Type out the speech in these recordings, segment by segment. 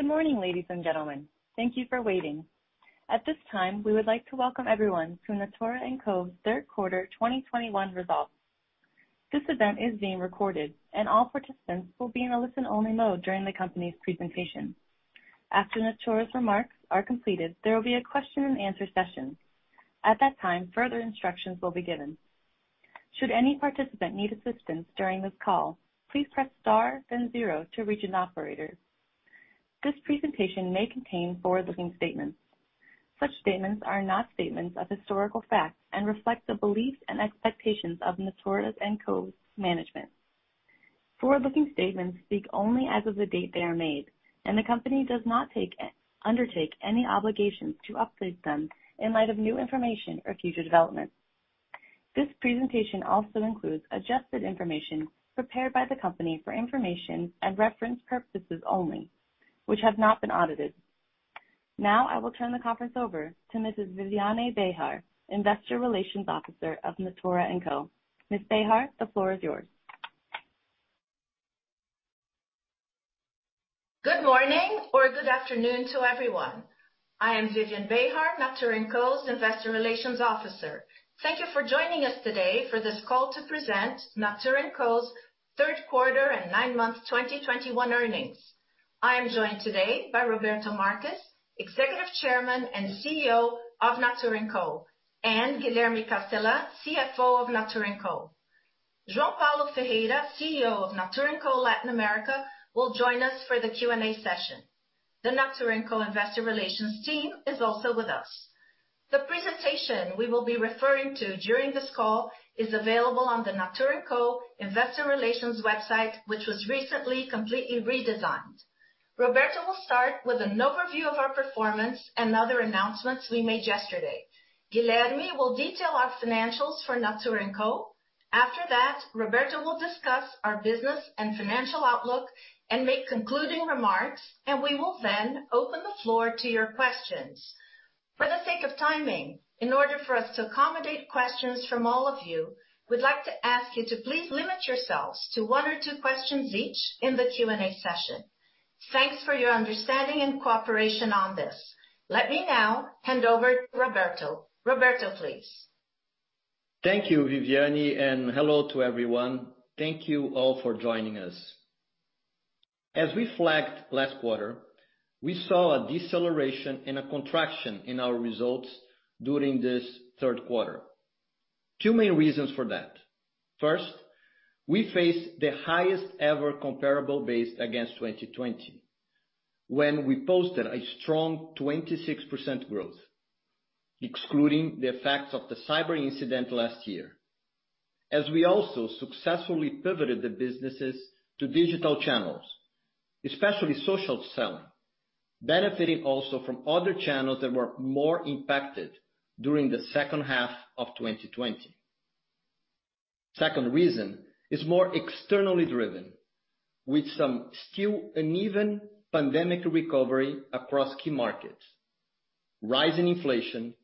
Good morning, ladies and gentlemen. Thank you for waiting. At this time, we would like to welcome everyone to Natura &Co's third quarter 2021 Results. This event is being recorded, and all participants will be in a listen-only mode during the company's presentation. After Natura &Co's remarks are completed, there will be a question and answer session. At that time, further instructions will be given. Should any participant need assistance during this call, please press star then zero to reach an operator. This presentation may contain forward-looking statements. Such statements are not statements of historical facts and reflect the beliefs and expectations of Natura &Co's management. Forward-looking statements speak only as of the date they are made, and the company does not undertake any obligations to update them in light of new information or future developments. This presentation also includes adjusted information prepared by the company for information and reference purposes only, which have not been audited. Now, I will turn the conference over to Mrs. Viviane Behar, Investor Relations Officer of Natura &Co. Ms. Behar, the floor is yours. Good morning or good afternoon to everyone. I am Viviane Behar de Castro, Natura & Co's Investor Relations Officer. Thank you for joining us today for this call to present Natura & Co's third quarter and nine-month 2021 earnings. I am joined today by Roberto Marques, Executive Chairman and CEO of Natura & Co, and Guilherme Castellan, CFO of Natura & Co. João Paulo Ferreira, CEO of Natura & Co Latin America, will join us for the Q&A session. The Natura & Co investor relations team is also with us. The presentation we will be referring to during this call is available on the Natura & Co investor relations website, which was recently completely redesigned. Roberto will start with an overview of our performance and other announcements we made yesterday. Guilherme will detail our financials for Natura & Co. After that, Roberto will discuss our business and financial outlook and make concluding remarks, and we will then open the floor to your questions. For the sake of timing, in order for us to accommodate questions from all of you, we'd like to ask you to please limit yourselves to one or two questions each in the Q&A session. Thanks for your understanding and cooperation on this. Let me now hand over to Roberto. Roberto, please. Thank you, Viviane, and hello to everyone. Thank you all for joining us. As we flagged last quarter, we saw a deceleration and a contraction in our results during this third quarter. Two main reasons for that. First, we face the highest ever comparable base against 2020, when we posted a strong 26% growth, excluding the effects of the cyber incident last year, as we also successfully pivoted the businesses to digital channels, especially social selling, benefiting also from other channels that were more impacted during the second half of 2020. Second reason is more externally driven, with some still uneven pandemic recovery across key markets, rising inflation,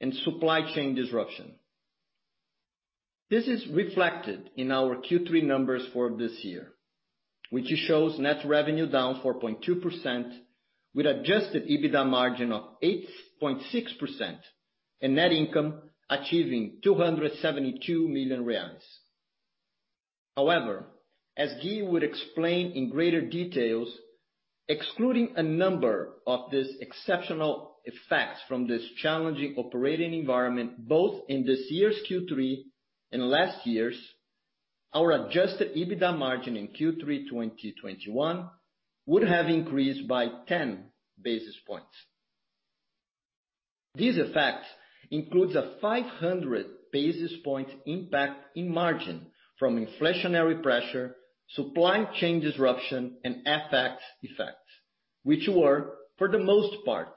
and supply chain disruption. This is reflected in our Q3 numbers for this year, which shows net revenue down 4.2% with adjusted EBITDA margin of 8.6% and net income achieving 272 million reais. However, as Gui would explain in greater details, excluding a number of these exceptional effects from this challenging operating environment both in this year's Q3 and last year's, our adjusted EBITDA margin in Q3 2021 would have increased by 10 basis points. These effects includes a 500 basis points impact in margin from inflationary pressure, supply chain disruption, and FX effects, which were, for the most part,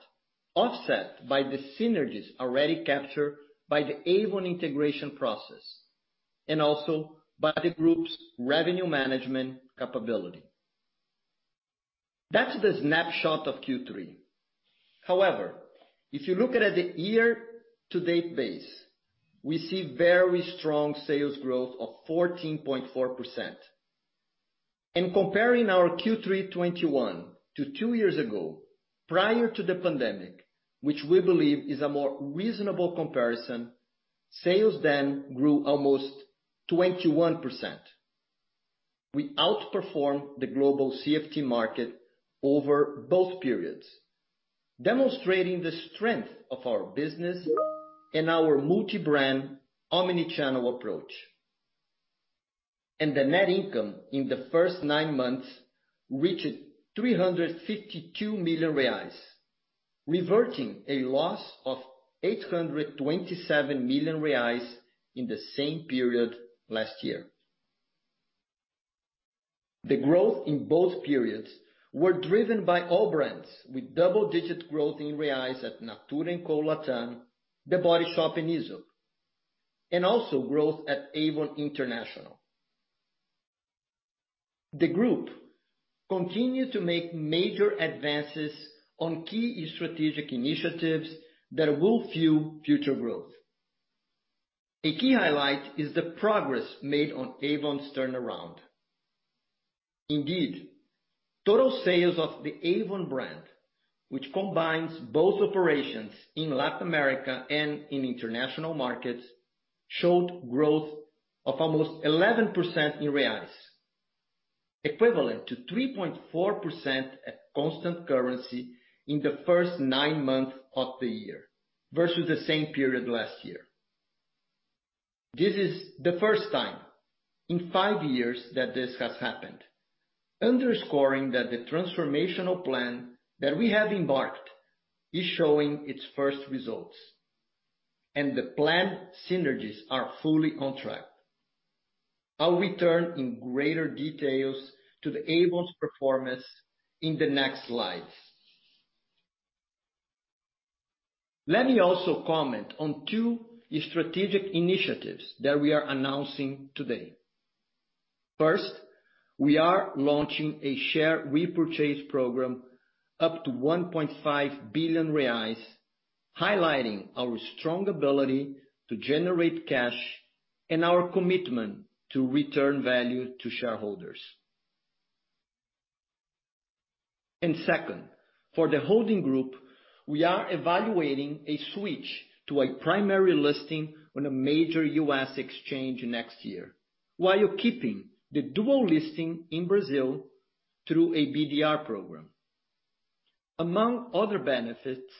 offset by the synergies already captured by the Avon integration process and also by the group's revenue management capability. That's the snapshot of Q3. However, if you look at the year-to-date basis, we see very strong sales growth of 14.4%. In comparing our Q3 2021 to two years ago, prior to the pandemic, which we believe is a more reasonable comparison, sales then grew almost 21%. We outperformed the global CFT market over both periods, demonstrating the strength of our business and our multi-brand omni-channel approach. The net income in the first nine months reached 352 million reais, reverting a loss of 827 million reais in the same period last year. The growth in both periods were driven by all brands, with double-digit growth in reals at Natura &Co Latam, The Body Shop and Aesop, and also growth at Avon International. The group continued to make major advances on key strategic initiatives that will fuel future growth. A key highlight is the progress made on Avon's turnaround. Indeed, total sales of the Avon brand, which combines both operations in Latin America and in international markets, showed growth of almost 11% in reais, equivalent to 3.4% at constant currency in the first nine months of the year versus the same period last year. This is the first time in five years that this has happened, underscoring that the transformational plan that we have embarked is showing its first results, and the planned synergies are fully on track. I'll return in greater details to the Avon's performance in the next slides. Let me also comment on two strategic initiatives that we are announcing today. First, we are launching a share repurchase program up to 1.5 billion reais, highlighting our strong ability to generate cash and our commitment to return value to shareholders. Second, for the holding group, we are evaluating a switch to a primary listing on a major U.S. exchange next year, while keeping the dual listing in Brazil through a BDR program. Among other benefits,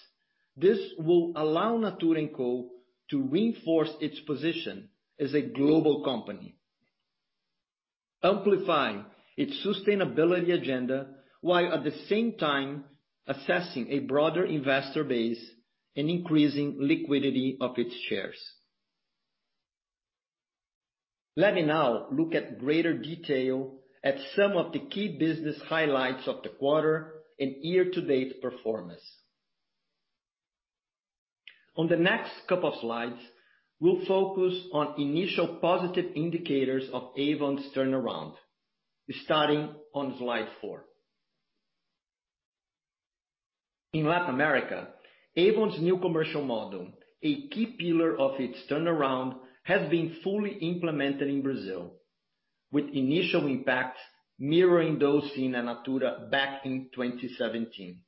this will allow Natura &Co to reinforce its position as a global company, amplifying its sustainability agenda, while at the same time accessing a broader investor base and increasing liquidity of its shares. Let me now look in greater detail at some of the key business highlights of the quarter and year-to-date performance. On the next couple of slides, we'll focus on initial positive indicators of Avon's turnaround, starting on slide four. In Latin America, Avon's new commercial model, a key pillar of its turnaround, has been fully implemented in Brazil, with initial impacts mirroring those seen in Natura back in 2017.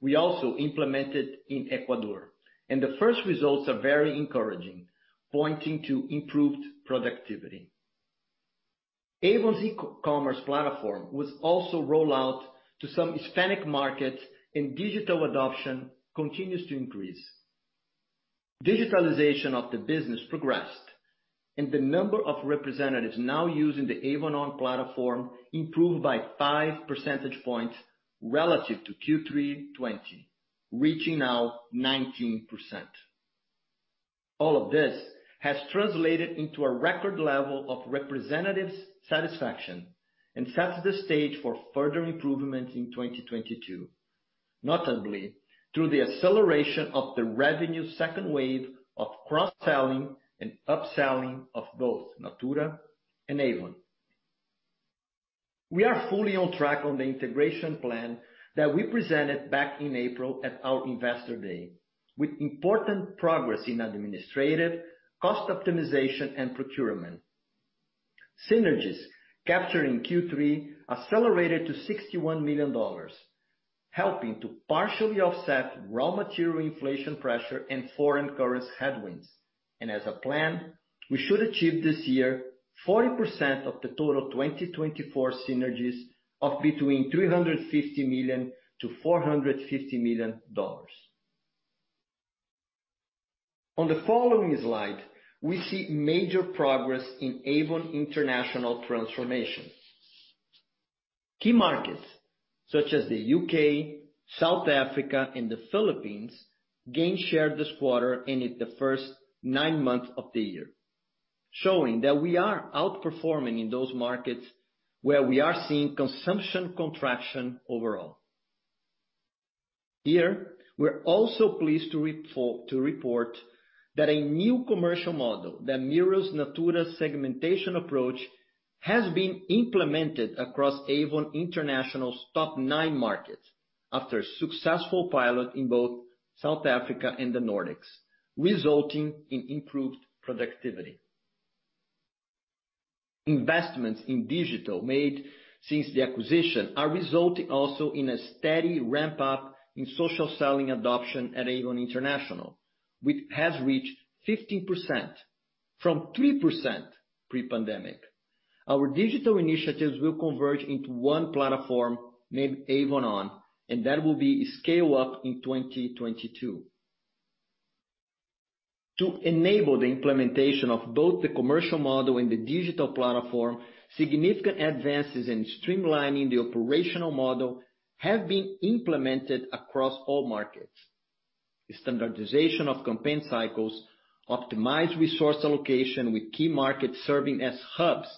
We also implemented in Ecuador, and the first results are very encouraging, pointing to improved productivity. Avon's e-commerce platform was also rolled out to some Hispanic markets, and digital adoption continues to increase. Digitalization of the business progressed, and the number of representatives now using the Avon On platform improved by 5 percentage points relative to Q3 2020, reaching now 19%. All of this has translated into a record level of representatives' satisfaction and sets the stage for further improvement in 2022, notably through the acceleration of the revenue second wave of cross-selling and upselling of both Natura and Avon. We are fully on track on the integration plan that we presented back in April at our Investor Day, with important progress in administrative, cost optimization, and procurement. Synergies captured in Q3 accelerated to $61 million, helping to partially offset raw material inflation pressure and foreign currency headwinds. As a plan, we should achieve this year 40% of the total 2024 synergies of between $350 million-$450 million. On the following slide, we see major progress in Avon International transformations. Key markets, such as the U.K., South Africa, and the Philippines gained share this quarter and in the first 9 months of the year, showing that we are outperforming in those markets where we are seeing consumption contraction overall. Here, we're also pleased to report that a new commercial model that mirrors Natura's segmentation approach has been implemented across Avon International's top 9 markets after a successful pilot in both South Africa and the Nordics, resulting in improved productivity. Investments in digital made since the acquisition are resulting also in a steady ramp-up in social selling adoption at Avon International, which has reached 15% from 3% pre-pandemic. Our digital initiatives will converge into one platform named Avon On, and that will be scaled up in 2022. To enable the implementation of both the commercial model and the digital platform, significant advances in streamlining the operational model have been implemented across all markets. The standardization of campaign cycles optimize resource allocation, with key markets serving as hubs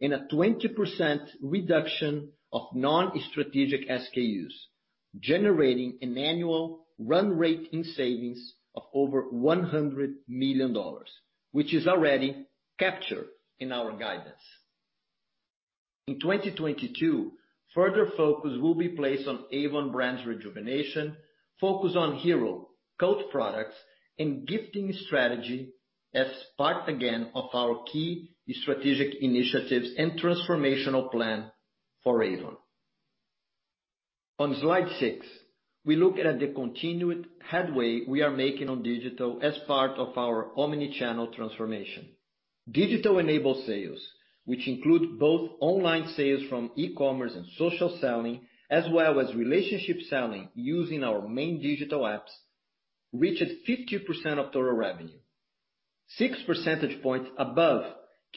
and a 20% reduction of non-strategic SKUs, generating an annual run rate in savings of over $100 million, which is already captured in our guidance. In 2022, further focus will be placed on Avon brands rejuvenation, focus on hero cult products and gifting strategy as part again of our key strategic initiatives and transformational plan for Avon. On slide six, we look at the continued headway we are making on digital as part of our omni-channel transformation. Digital enabled sales, which include both online sales from e-commerce and social selling, as well as relationship selling using our main digital apps, reached 50% of total revenue. 6 percentage points above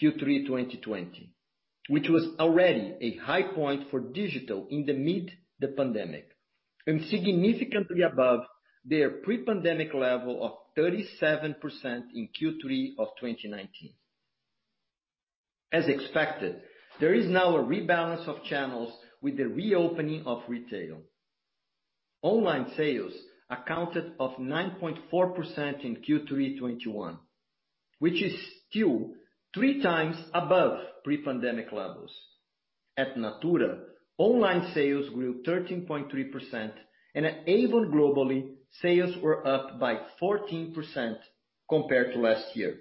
Q3 2020, which was already a high point for digital in the midst of the pandemic, and significantly above their pre-pandemic level of 37% in Q3 2019. As expected, there is now a rebalance of channels with the reopening of retail. Online sales accounted for 9.4% in Q3 2021, which is still 3x above pre-pandemic levels. At Natura, online sales grew 13.3%, and at Avon globally, sales were up by 14% compared to last year.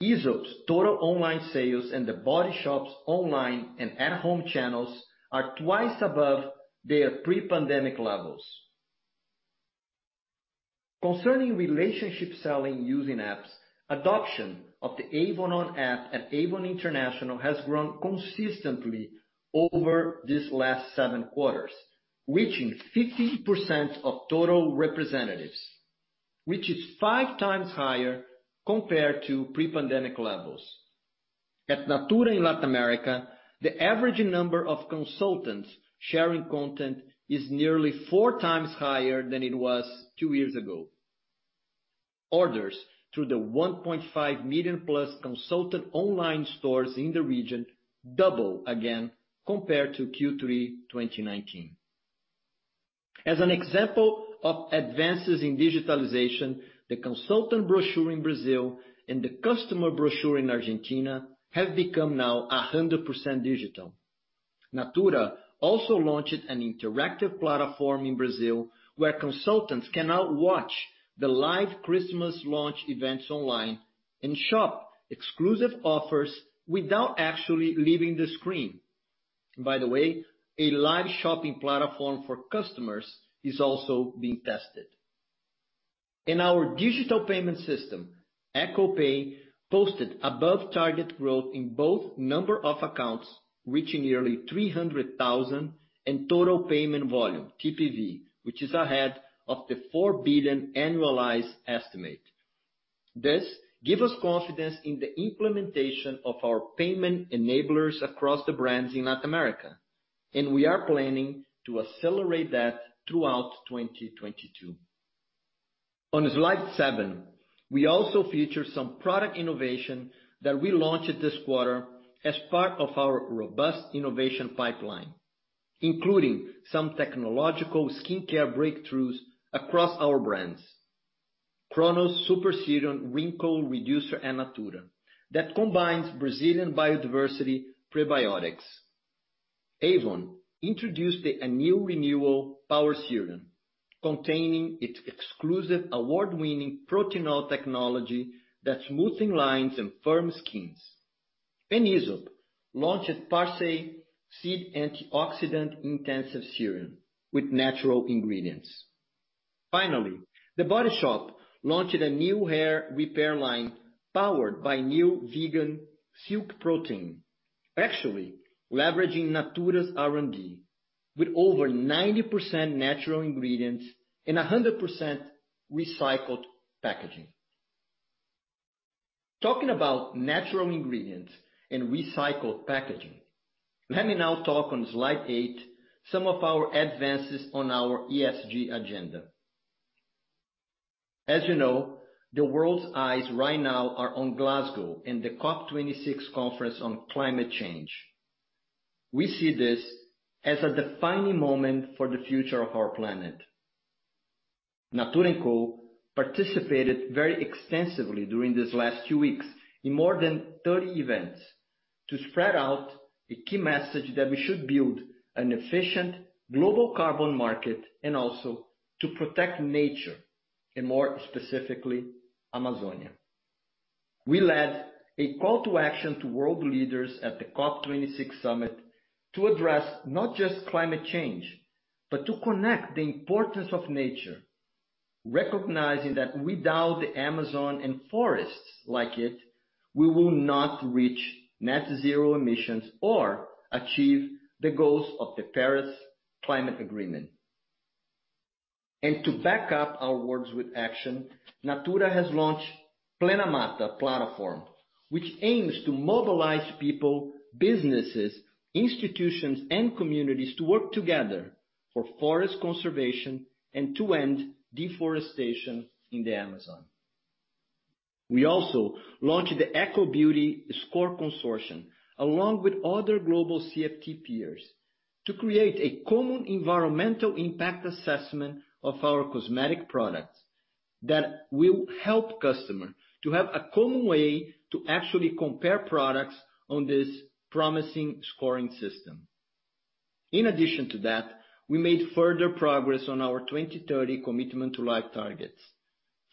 Aesop's total online sales and The Body Shop's online and at-home channels are twice above their pre-pandemic levels. Concerning relationship selling using apps, adoption of the Avon On app at Avon International has grown consistently over this last seven quarters, reaching 50% of total representatives, which is 5x higher compared to pre-pandemic levels. At Natura in Latin America, the average number of consultants sharing content is nearly 4x higher than it was two years ago. Orders through the 1.5 million-plus consultant online stores in the region have doubled compared to Q3 2019. As an example of advances in digitalization, the consultant brochure in Brazil and the customer brochure in Argentina have now become 100% digital. Natura also launched an interactive platform in Brazil where consultants can now watch the live Christmas launch events online and shop exclusive offers without actually leaving the screen. By the way, a live shopping platform for customers is also being tested. Our digital payment system, &Co Pay, posted above target growth in both number of accounts, reaching nearly 300,000, and total payment volume, TPV, which is ahead of the 4 billion annualized estimate. This gives us confidence in the implementation of our payment enablers across the brands in Latin America, and we are planning to accelerate that throughout 2022. On slide seven, we also feature some product innovation that we launched this quarter as part of our robust innovation pipeline, including some technological skincare breakthroughs across our brands. Chronos Super Serum Wrinkle Reducer at Natura that combines Brazilian biodiversity prebiotics. Avon introduced a new renewal power serum containing its exclusive award-winning Protinol technology that smoothing lines and firm skins. Aesop launched Parsley Seed Anti-Oxidant Intense Serum with natural ingredients. Finally, The Body Shop launched a new hair repair line powered by new vegan silk protein, actually leveraging Natura's R&D with over 90% natural ingredients and 100% recycled packaging. Talking about natural ingredients and recycled packaging, let me now talk on slide eight, some of our advances on our ESG agenda. As you know, the world's eyes right now are on Glasgow in the COP26 conference on climate change. We see this as a defining moment for the future of our planet. Natura & Co participated very extensively during these last two weeks in more than 30 events to spread out a key message that we should build an efficient global carbon market and also to protect nature, and more specifically Amazonia. We led a call to action to world leaders at the COP26 summit to address not just climate change, but to connect the importance of nature, recognizing that without the Amazon and forests like it, we will not reach net zero emissions or achieve the goals of the Paris Climate Agreement. To back up our words with action, Natura has launched PlenaMata platform, which aims to mobilize people, businesses, institutions, and communities to work together for forest conservation and to end deforestation in the Amazon. We also launched the EcoBeautyScore Consortium, along with other global CFT peers, to create a common environmental impact assessment of our cosmetic products. That will help customer to have a common way to actually compare products on this promising scoring system. In addition to that, we made further progress on our 2030 commitment to life targets.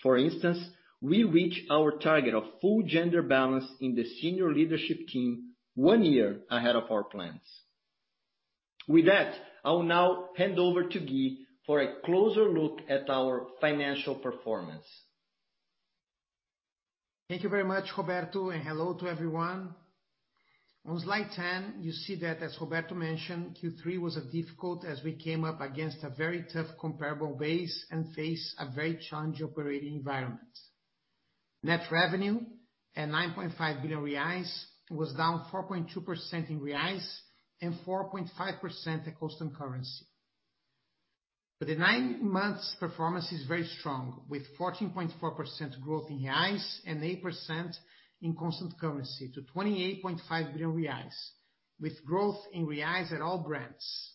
For instance, we reach our target of full gender balance in the senior leadership team one year ahead of our plans. With that, I will now hand over to Gui for a closer look at our financial performance. Thank you very much, Roberto, and hello to everyone. On slide 10, you see that as Roberto mentioned, Q3 was difficult as we came up against a very tough comparable base and faced a very challenging operating environment. Net revenue at 9.5 billion reais was down 4.2% in reais and 4.5% at constant currency. The nine months performance is very strong, with 14.4% growth in reais and 8% in constant currency to 28.5 billion reais, with growth in reais at all brands.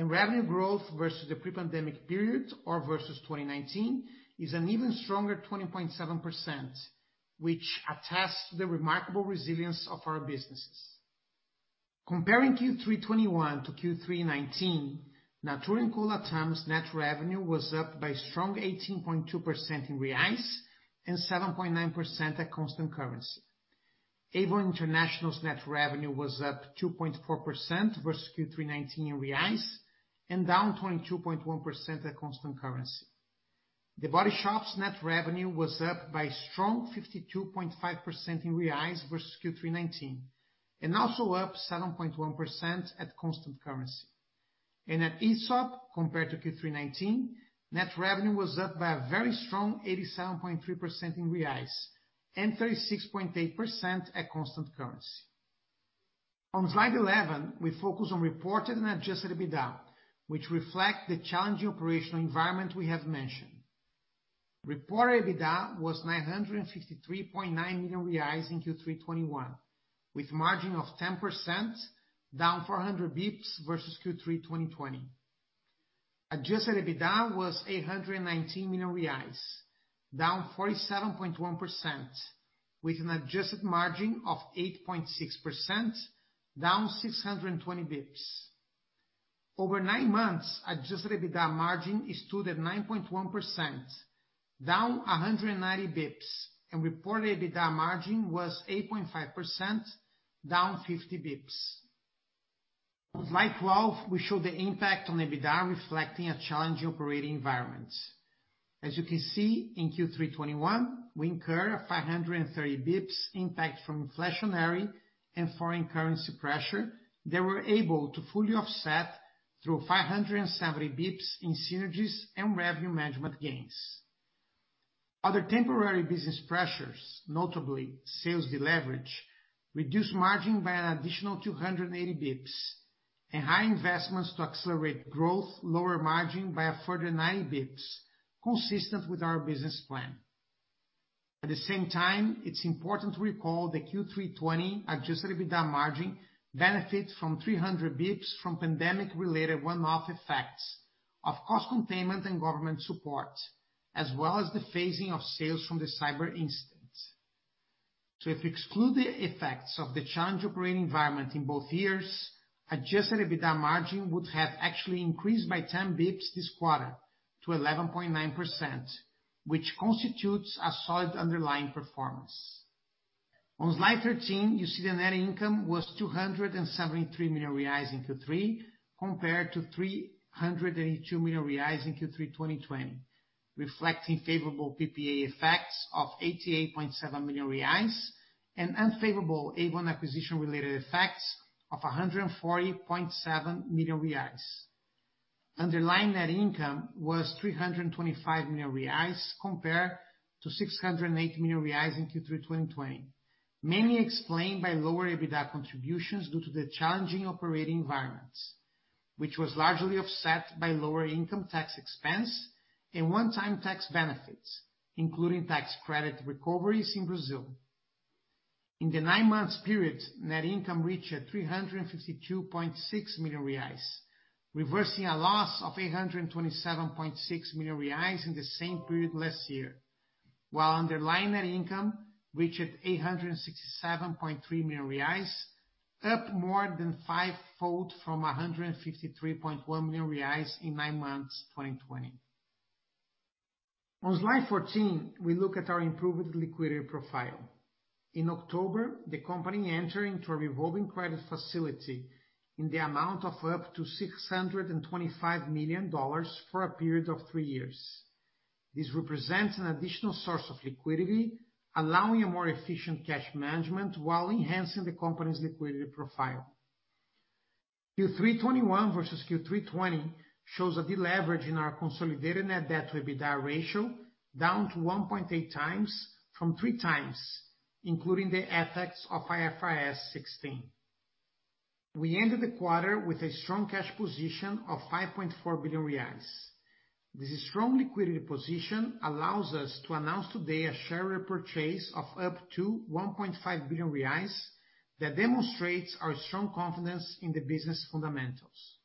Revenue growth versus the pre-pandemic period or versus 2019 is an even stronger 20.7%, which attests the remarkable resilience of our businesses. Comparing Q3 2021 to Q3 2019, Natura &Co's net revenue was up by strong 18.2% in reais and 7.9% at constant currency. Avon International's net revenue was up 2.4% versus Q3 2019 in reais and down 22.1% at constant currency. The Body Shop's net revenue was up by strong 52.5% in reais versus Q3 2019 and also up 7.1% at constant currency. At Aesop, compared to Q3 2019, net revenue was up by a very strong 87.3% in reais and 36.8% at constant currency. On slide 11, we focus on reported and adjusted EBITDA, which reflect the challenging operational environment we have mentioned. Reported EBITDA was 953.9 million reais in Q3 2021, with margin of 10%, down 400 basis points versus Q3 2020. Adjusted EBITDA was 819 million reais, down 47.1% with an adjusted margin of 8.6%, down 620 basis points. Over nine months, adjusted EBITDA margin stood at 9.1%, down 190 basis points. Reported EBITDA margin was 8.5%, down 50 basis points. On slide 12, we show the impact on EBITDA reflecting a challenging operating environment. As you can see, in Q3 2021, we incurred a 530 basis points impact from inflationary and foreign currency pressure that we're able to fully offset through 570 basis points in synergies and revenue management gains. Other temporary business pressures, notably sales deleverage, reduced margin by an additional 280 basis points and higher investments to accelerate growth, lower margin by a further 90 basis points, consistent with our business plan. At the same time, it's important to recall the Q3 2020 adjusted EBITDA margin benefit from 300 basis points from pandemic-related one-off effects of cost containment and government support, as well as the phasing of sales from the cyber incident. If you exclude the effects of the challenging operating environment in both years, adjusted EBITDA margin would have actually increased by 10 basis points this quarter to 11.9%, which constitutes a solid underlying performance. On slide 13, you see the net income was 273 million reais in Q3, compared to 302 million reais in Q3 2020, reflecting favorable PPA effects of 88.7 million reais and unfavorable Avon acquisition related effects of 140.7 million reais. Underlying net income was 325 million reais compared to 608 million reais in Q3 2020, mainly explained by lower EBITDA contributions due to the challenging operating environments, which was largely offset by lower income tax expense and one-time tax benefits, including tax credit recoveries in Brazil. In the nine-month period, net income reached 352.6 million reais, reversing a loss of 827.6 million reais in the same period last year. While underlying net income reached 867.3 million reais, up more than five-fold from 153.1 million reais in nine months 2020. On slide 14, we look at our improved liquidity profile. In October, the company entered into a revolving credit facility in the amount of up to $625 million for a period of three years. This represents an additional source of liquidity, allowing a more efficient cash management while enhancing the company's liquidity profile. Q3 2021 versus Q3 2020 shows a deleverage in our consolidated net debt to EBITDA ratio down to 1.8x from 3x, including the effects of IFRS 16. We ended the quarter with a strong cash position of 5.4 billion reais. This strong liquidity position allows us to announce today a share repurchase of up to 1.5 billion reais that demonstrates our strong confidence in the business fundamentals.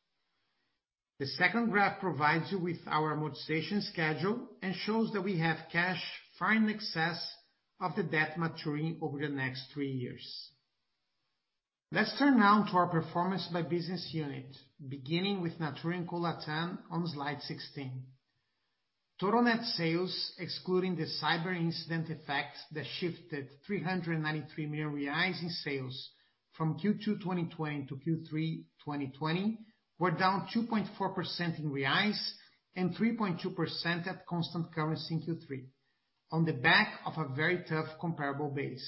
The second graph provides you with our monetization schedule and shows that we have cash far in excess of the debt maturing over the next three years. Let's turn now to our performance by business unit, beginning with Natura &Co Latam on slide 16. Total net sales, excluding the cyber incident effects that shifted 393 million reais in sales from Q2 2020 to Q3 2020, were down 2.4% in reais and 3.2% at constant currency in Q3 on the back of a very tough comparable base.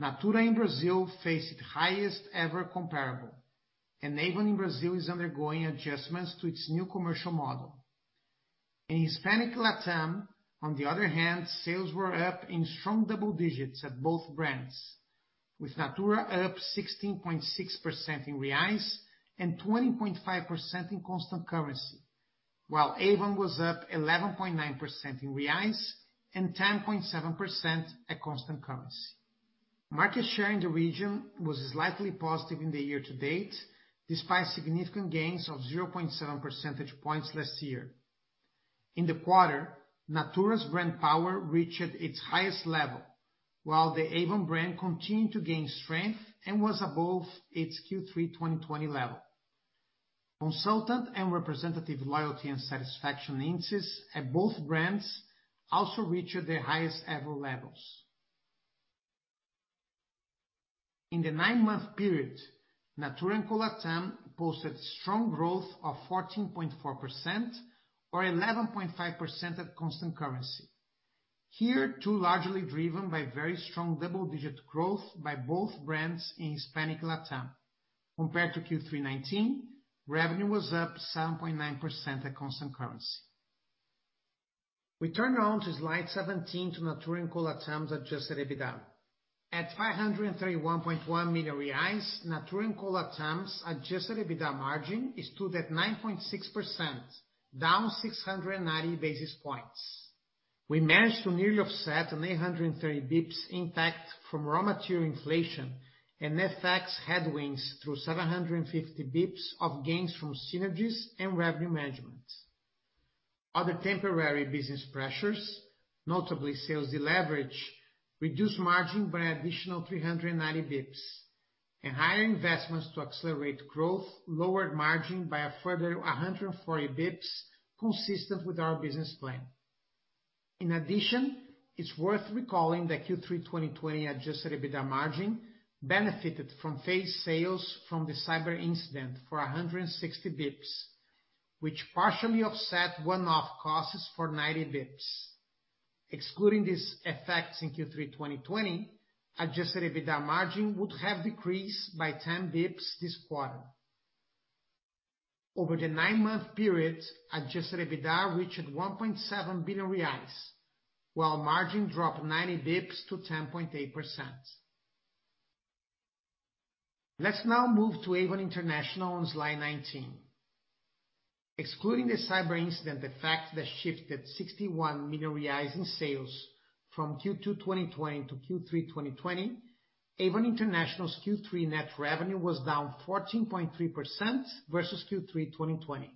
Natura in Brazil faced the highest ever comparable, and Avon in Brazil is undergoing adjustments to its new commercial model. In Hispanic Latam, on the other hand, sales were up in strong double digits at both brands, with Natura up 16.6% in reais and 20.5% in constant currency, while Avon was up 11.9% in reais and 10.7% at constant currency. Market share in the region was slightly positive in the year-to-date, despite significant gains of 0.7 percentage points last year. In the quarter, Natura's brand power reached its highest level, while the Avon brand continued to gain strength and was above its Q3 2020 level. Consultant and representative loyalty and satisfaction indices at both brands also reached their highest ever levels. In the nine-month period, Natura &Co Latam posted strong growth of 14.4% or 11.5% at constant currency. Here, too largely driven by very strong double-digit growth by both brands in Hispanic Latam. Compared to Q3 2019, revenue was up 7.9% at constant currency. We turn now to slide 17 to Natura & Co Latam's adjusted EBITDA. At 531.1 million reais, Natura & Co Latam's adjusted EBITDA margin stood at 9.6%, down 690 basis points. We managed to nearly offset an 830 basis points impact from raw material inflation and FX headwinds through 750 basis points of gains from synergies and revenue management. Other temporary business pressures, notably sales deleverage, reduced margin by an additional 390 basis points, and higher investments to accelerate growth lowered margin by a further 140 basis points consistent with our business plan. In addition, it's worth recalling that Q3 2020 adjusted EBITDA margin benefited from phased sales from the cyber incident for 160 basis points, which partially offset one-off costs for 90 basis points. Excluding these effects in Q3 2020, adjusted EBITDA margin would have decreased by 10 basis points this quarter. Over the nine month period, adjusted EBITDA reached 1.7 billion reais, while margin dropped 90 basis points to 10.8%. Let's now move to Avon International on slide 19. Excluding the cyber incident effect that shifted 61 million reais in sales from Q2 2020 to Q3 2020, Avon International's Q3 net revenue was down 14.3% versus Q3 2020.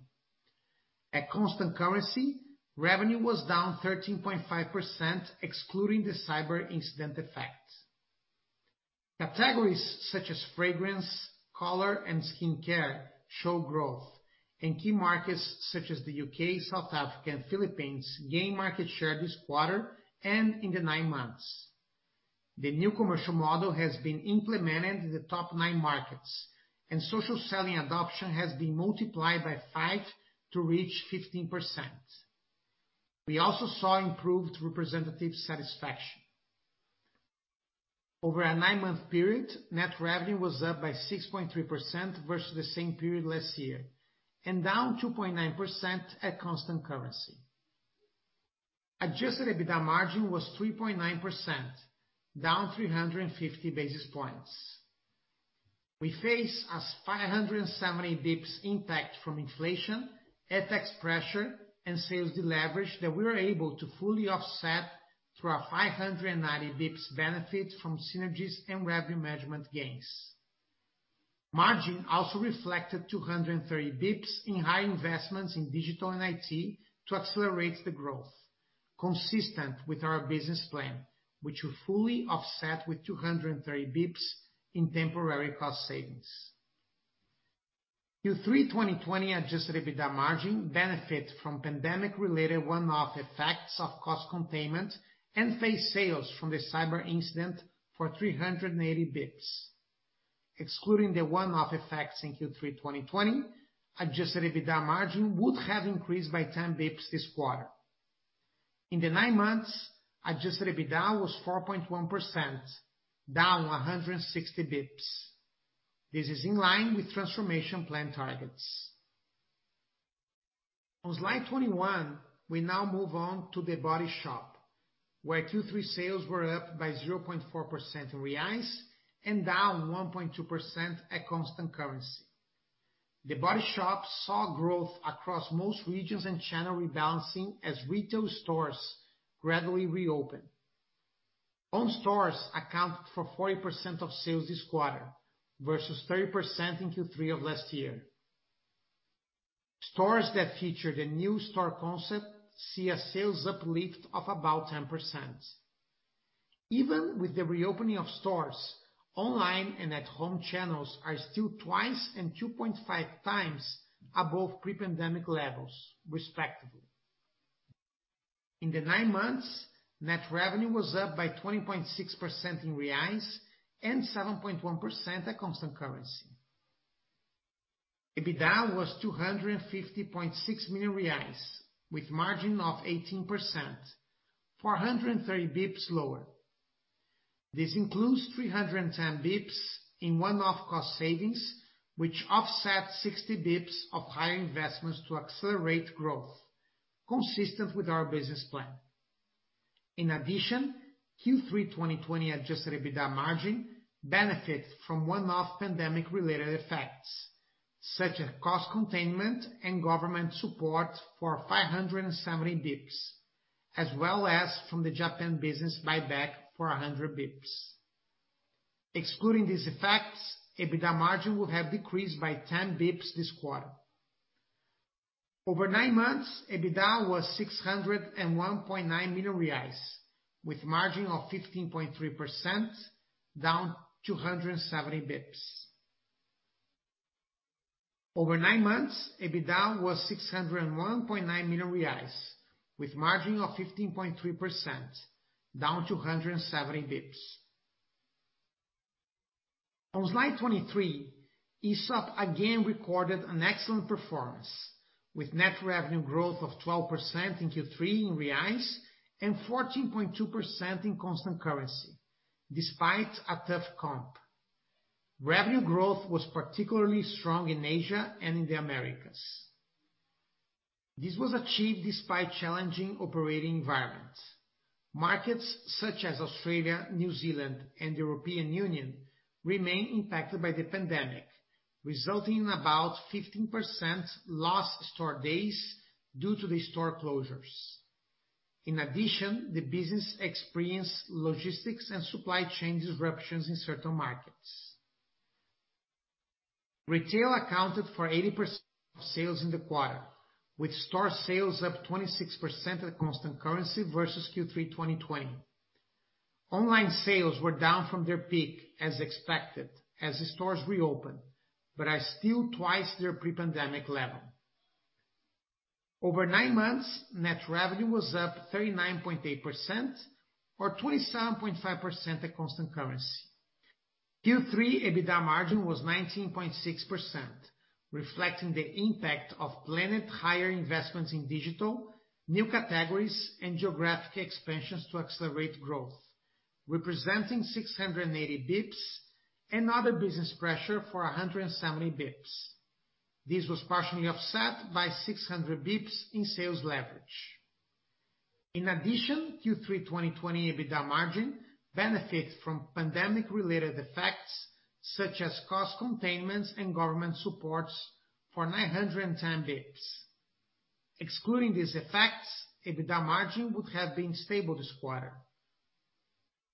At constant currency, revenue was down 13.5% excluding the cyber incident effect. Categories such as fragrance, color, and skincare show growth, and key markets such as the U.K., South Africa, and Philippines gained market share this quarter and in the nine months. The new commercial model has been implemented in the top nine markets, and social selling adoption has been multiplied by five to reach 15%. We also saw improved representative satisfaction. Over a nine month period, net revenue was up by 6.3% versus the same period last year, and down 2.9% at constant currency. Adjusted EBITDA margin was 3.9%, down 350 basis points. We face a 570 basis points impact from inflation, FX pressure, and sales deleverage that we were able to fully offset through our 590 basis points benefit from synergies and revenue management gains. Margin also reflected 230 basis points in higher investments in digital and IT to accelerate the growth consistent with our business plan, which we fully offset with 230 basis points in temporary cost savings. Q3 2020 adjusted EBITDA margin benefited from pandemic-related one-off effects of cost containment and phased sales from the cyber incident for 380 basis points. Excluding the one-off effects in Q3 2020, adjusted EBITDA margin would have increased by 10 basis points this quarter. In the nine months, adjusted EBITDA was 4.1%, down 160 basis points. This is in line with transformation plan targets. On slide 21, we now move on to The Body Shop, where Q3 sales were up by 0.4% in reais and down 1.2% at constant currency. The Body Shop saw growth across most regions and channel rebalancing as retail stores gradually reopen. Own stores accounted for 40% of sales this quarter versus 30% in Q3 of last year. Stores that feature the new store concept see a sales uplift of about 10%. Even with the reopening of stores, online and at home channels are still twice and 2.5x above pre-pandemic levels respectively. In the nine months, net revenue was up by 20.6% in BRL and 7.1% at constant currency. EBITDA was 250.6 million reais, with margin of 18%, 430 basis points lower. This includes 310 basis points in one-off cost savings, which offset 60 basis points of higher investments to accelerate growth consistent with our business plan. In addition, Q3 2020 adjusted EBITDA margin benefited from one-off pandemic-related effects, such as cost containment and government support for 570 basis points, as well as from the Japan business buyback for 100 basis points. Excluding these effects, EBITDA margin will have decreased by 10 basis points this quarter. Over nine months, EBITDA was 601.9 million reais, with margin of 15.3% down 270 basis points. On slide 23, Aesop again recorded an excellent performance with net revenue growth of 12% in Q3 in reais and 14.2% in constant currency despite a tough comp. Revenue growth was particularly strong in Asia and in the Americas. This was achieved despite challenging operating environments. Markets such as Australia, New Zealand, and European Union remain impacted by the pandemic, resulting in about 15% lost store days due to the store closures. In addition, the business experienced logistics and supply chain disruptions in certain markets. Retail accounted for 80% of sales in the quarter, with store sales up 26% at constant currency versus Q3 2020. Online sales were down from their peak as expected as the stores reopen, but are still twice their pre-pandemic level. Over nine months, net revenue was up 39.8% or 27.5% at constant currency. Q3 EBITDA margin was 19.6%, reflecting the impact of planned higher investments in digital, new categories, and geographic expansions to accelerate growth, representing 680 basis points and other business pressure for 170 basis points. This was partially offset by 600 basis points in sales leverage. In addition, Q3 2020 EBITDA margin benefited from pandemic-related effects such as cost containment and government support of 910 basis points. Excluding these effects, EBITDA margin would have been stable this quarter.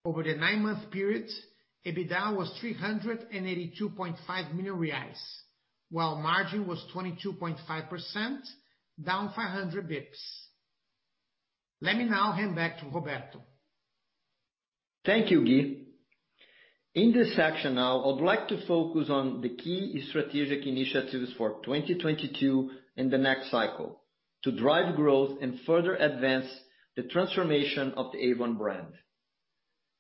Over the nine-month period, EBITDA was 382.5 million reais, while margin was 22.5% down 500 basis points. Let me now hand back to Roberto. Thank you, Gui. In this section now, I'd like to focus on the key strategic initiatives for 2022 in the next cycle to drive growth and further advance the transformation of the Avon brand.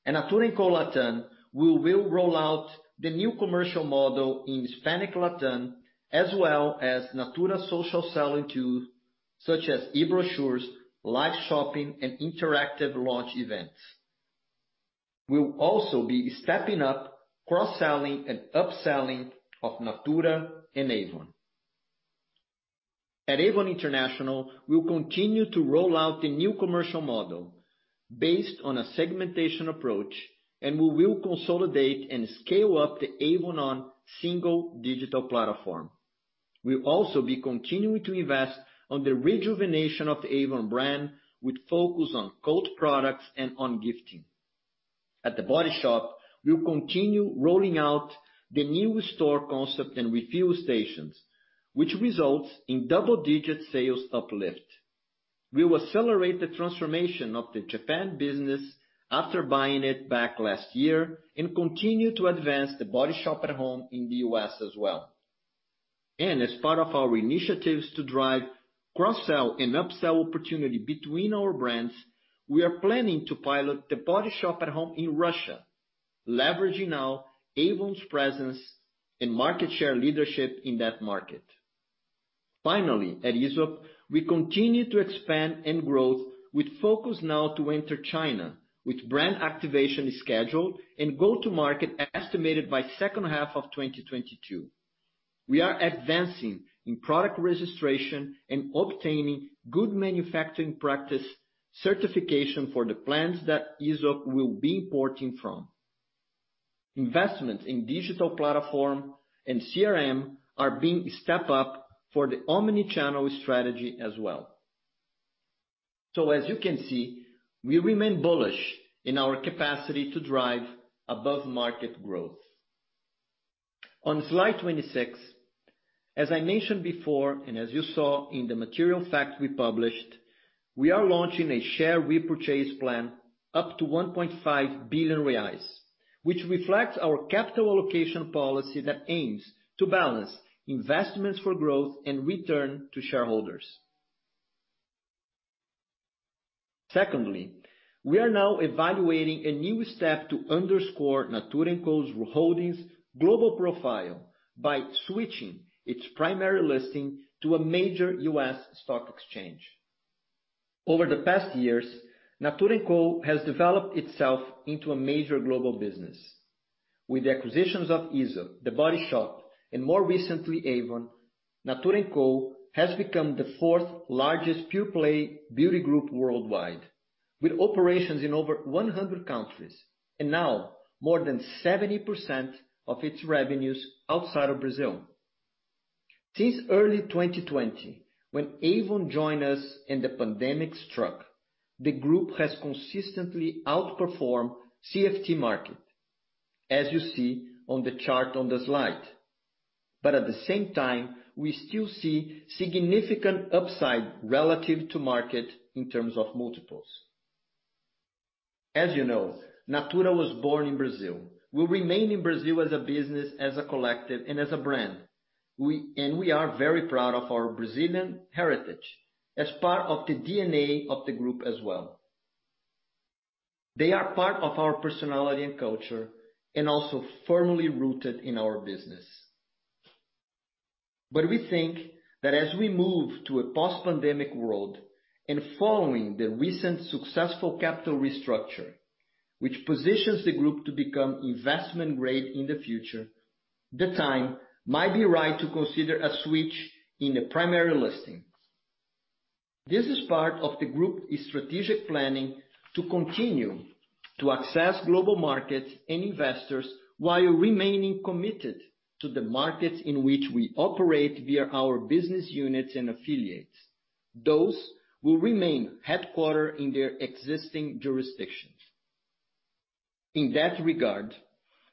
In Natura &Co LatAm, we will roll out the new commercial model in Hispanic LatAm, as well as Natura social selling tools such as e-brochures, live shopping, and interactive launch events. We'll also be stepping up cross-selling and upselling of Natura and Avon. At Avon International, we'll continue to roll out the new commercial model based on a segmentation approach, and we will consolidate and scale up the Avon On single digital platform. We'll also be continuing to invest on the rejuvenation of the Avon brand with focus on core products and on gifting. At The Body Shop, we'll continue rolling out the new store concept and refill stations, which results in double-digit sales uplift. We will accelerate the transformation of the Japan business after buying it back last year and continue to advance The Body Shop at home in the U.S. as well. As part of our initiatives to drive cross-sell and upsell opportunity between our brands, we are planning to pilot The Body Shop at home in Russia, leveraging now Avon's presence and market share leadership in that market. Finally, at Aesop, we continue to expand and grow with focus now to enter China with brand activation schedule and go to market estimated by second half of 2022. We are advancing in product registration and obtaining good manufacturing practice certification for the plants that Aesop will be importing from. Investments in digital platform and CRM are being stepped up for the omni-channel strategy as well. As you can see, we remain bullish in our capacity to drive above-market growth. On slide 26, as I mentioned before, and as you saw in the material facts we published, we are launching a share repurchase plan up to 1.5 billion reais, which reflects our capital allocation policy that aims to balance investments for growth and return to shareholders. Secondly, we are now evaluating a new step to underscore Natura &Co's holdings global profile by switching its primary listing to a major U.S. stock exchange. Over the past years, Natura &Co has developed itself into a major global business. With the acquisitions of Aesop, The Body Shop, and more recently, Avon, Natura &Co has become the 4th largest pure-play beauty group worldwide, with operations in over 100 countries, and now more than 70% of its revenues outside of Brazil. Since early 2020, when Avon joined us and the pandemic struck, the group has consistently outperformed CFT market, as you see on the chart on the slide. At the same time, we still see significant upside relative to market in terms of multiples. As you know, Natura was born in Brazil. We'll remain in Brazil as a business, as a collective, and as a brand. We are very proud of our Brazilian heritage as part of the DNA of the group as well. They are part of our personality and culture, and also firmly rooted in our business. We think that as we move to a post-pandemic world, and following the recent successful capital restructure, which positions the group to become investment grade in the future, the time might be right to consider a switch in the primary listing. This is part of the group's strategic planning to continue to access global markets and investors while remaining committed to the markets in which we operate via our business units and affiliates. Those will remain headquartered in their existing jurisdictions. In that regard,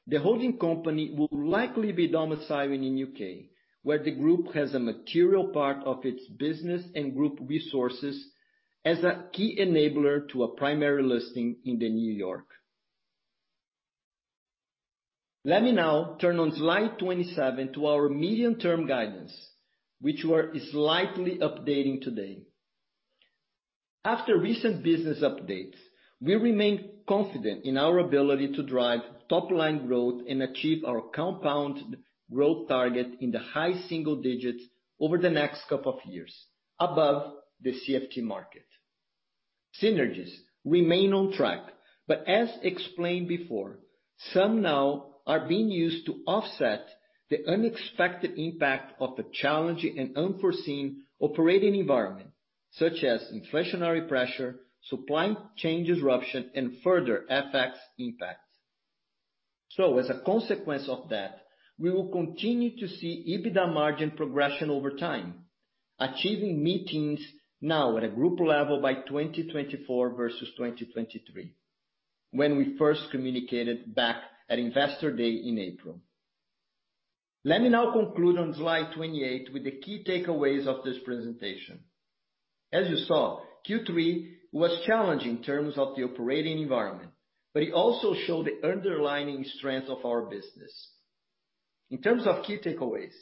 the holding company will likely be domiciled in U.K., where the group has a material part of its business and group resources as a key enabler to a primary listing on the NYSE. Let me now turn to slide 27 to our medium-term guidance, which we're slightly updating today. After recent business updates, we remain confident in our ability to drive top-line growth and achieve our compound growth target in the high single digits over the next couple of years, above the CFT market. Synergies remain on track, but as explained before, some now are being used to offset the unexpected impact of the challenging and unforeseen operating environment, such as inflationary pressure, supply chain disruption, and further FX impacts. As a consequence of that, we will continue to see EBITDA margin progression over time, achieving mid-teens now at a group level by 2024 versus 2023, when we first communicated back at Investor Day in April. Let me now conclude on slide 28 with the key takeaways of this presentation. As you saw, Q3 was challenging in terms of the operating environment, but it also showed the underlying strength of our business. In terms of key takeaways,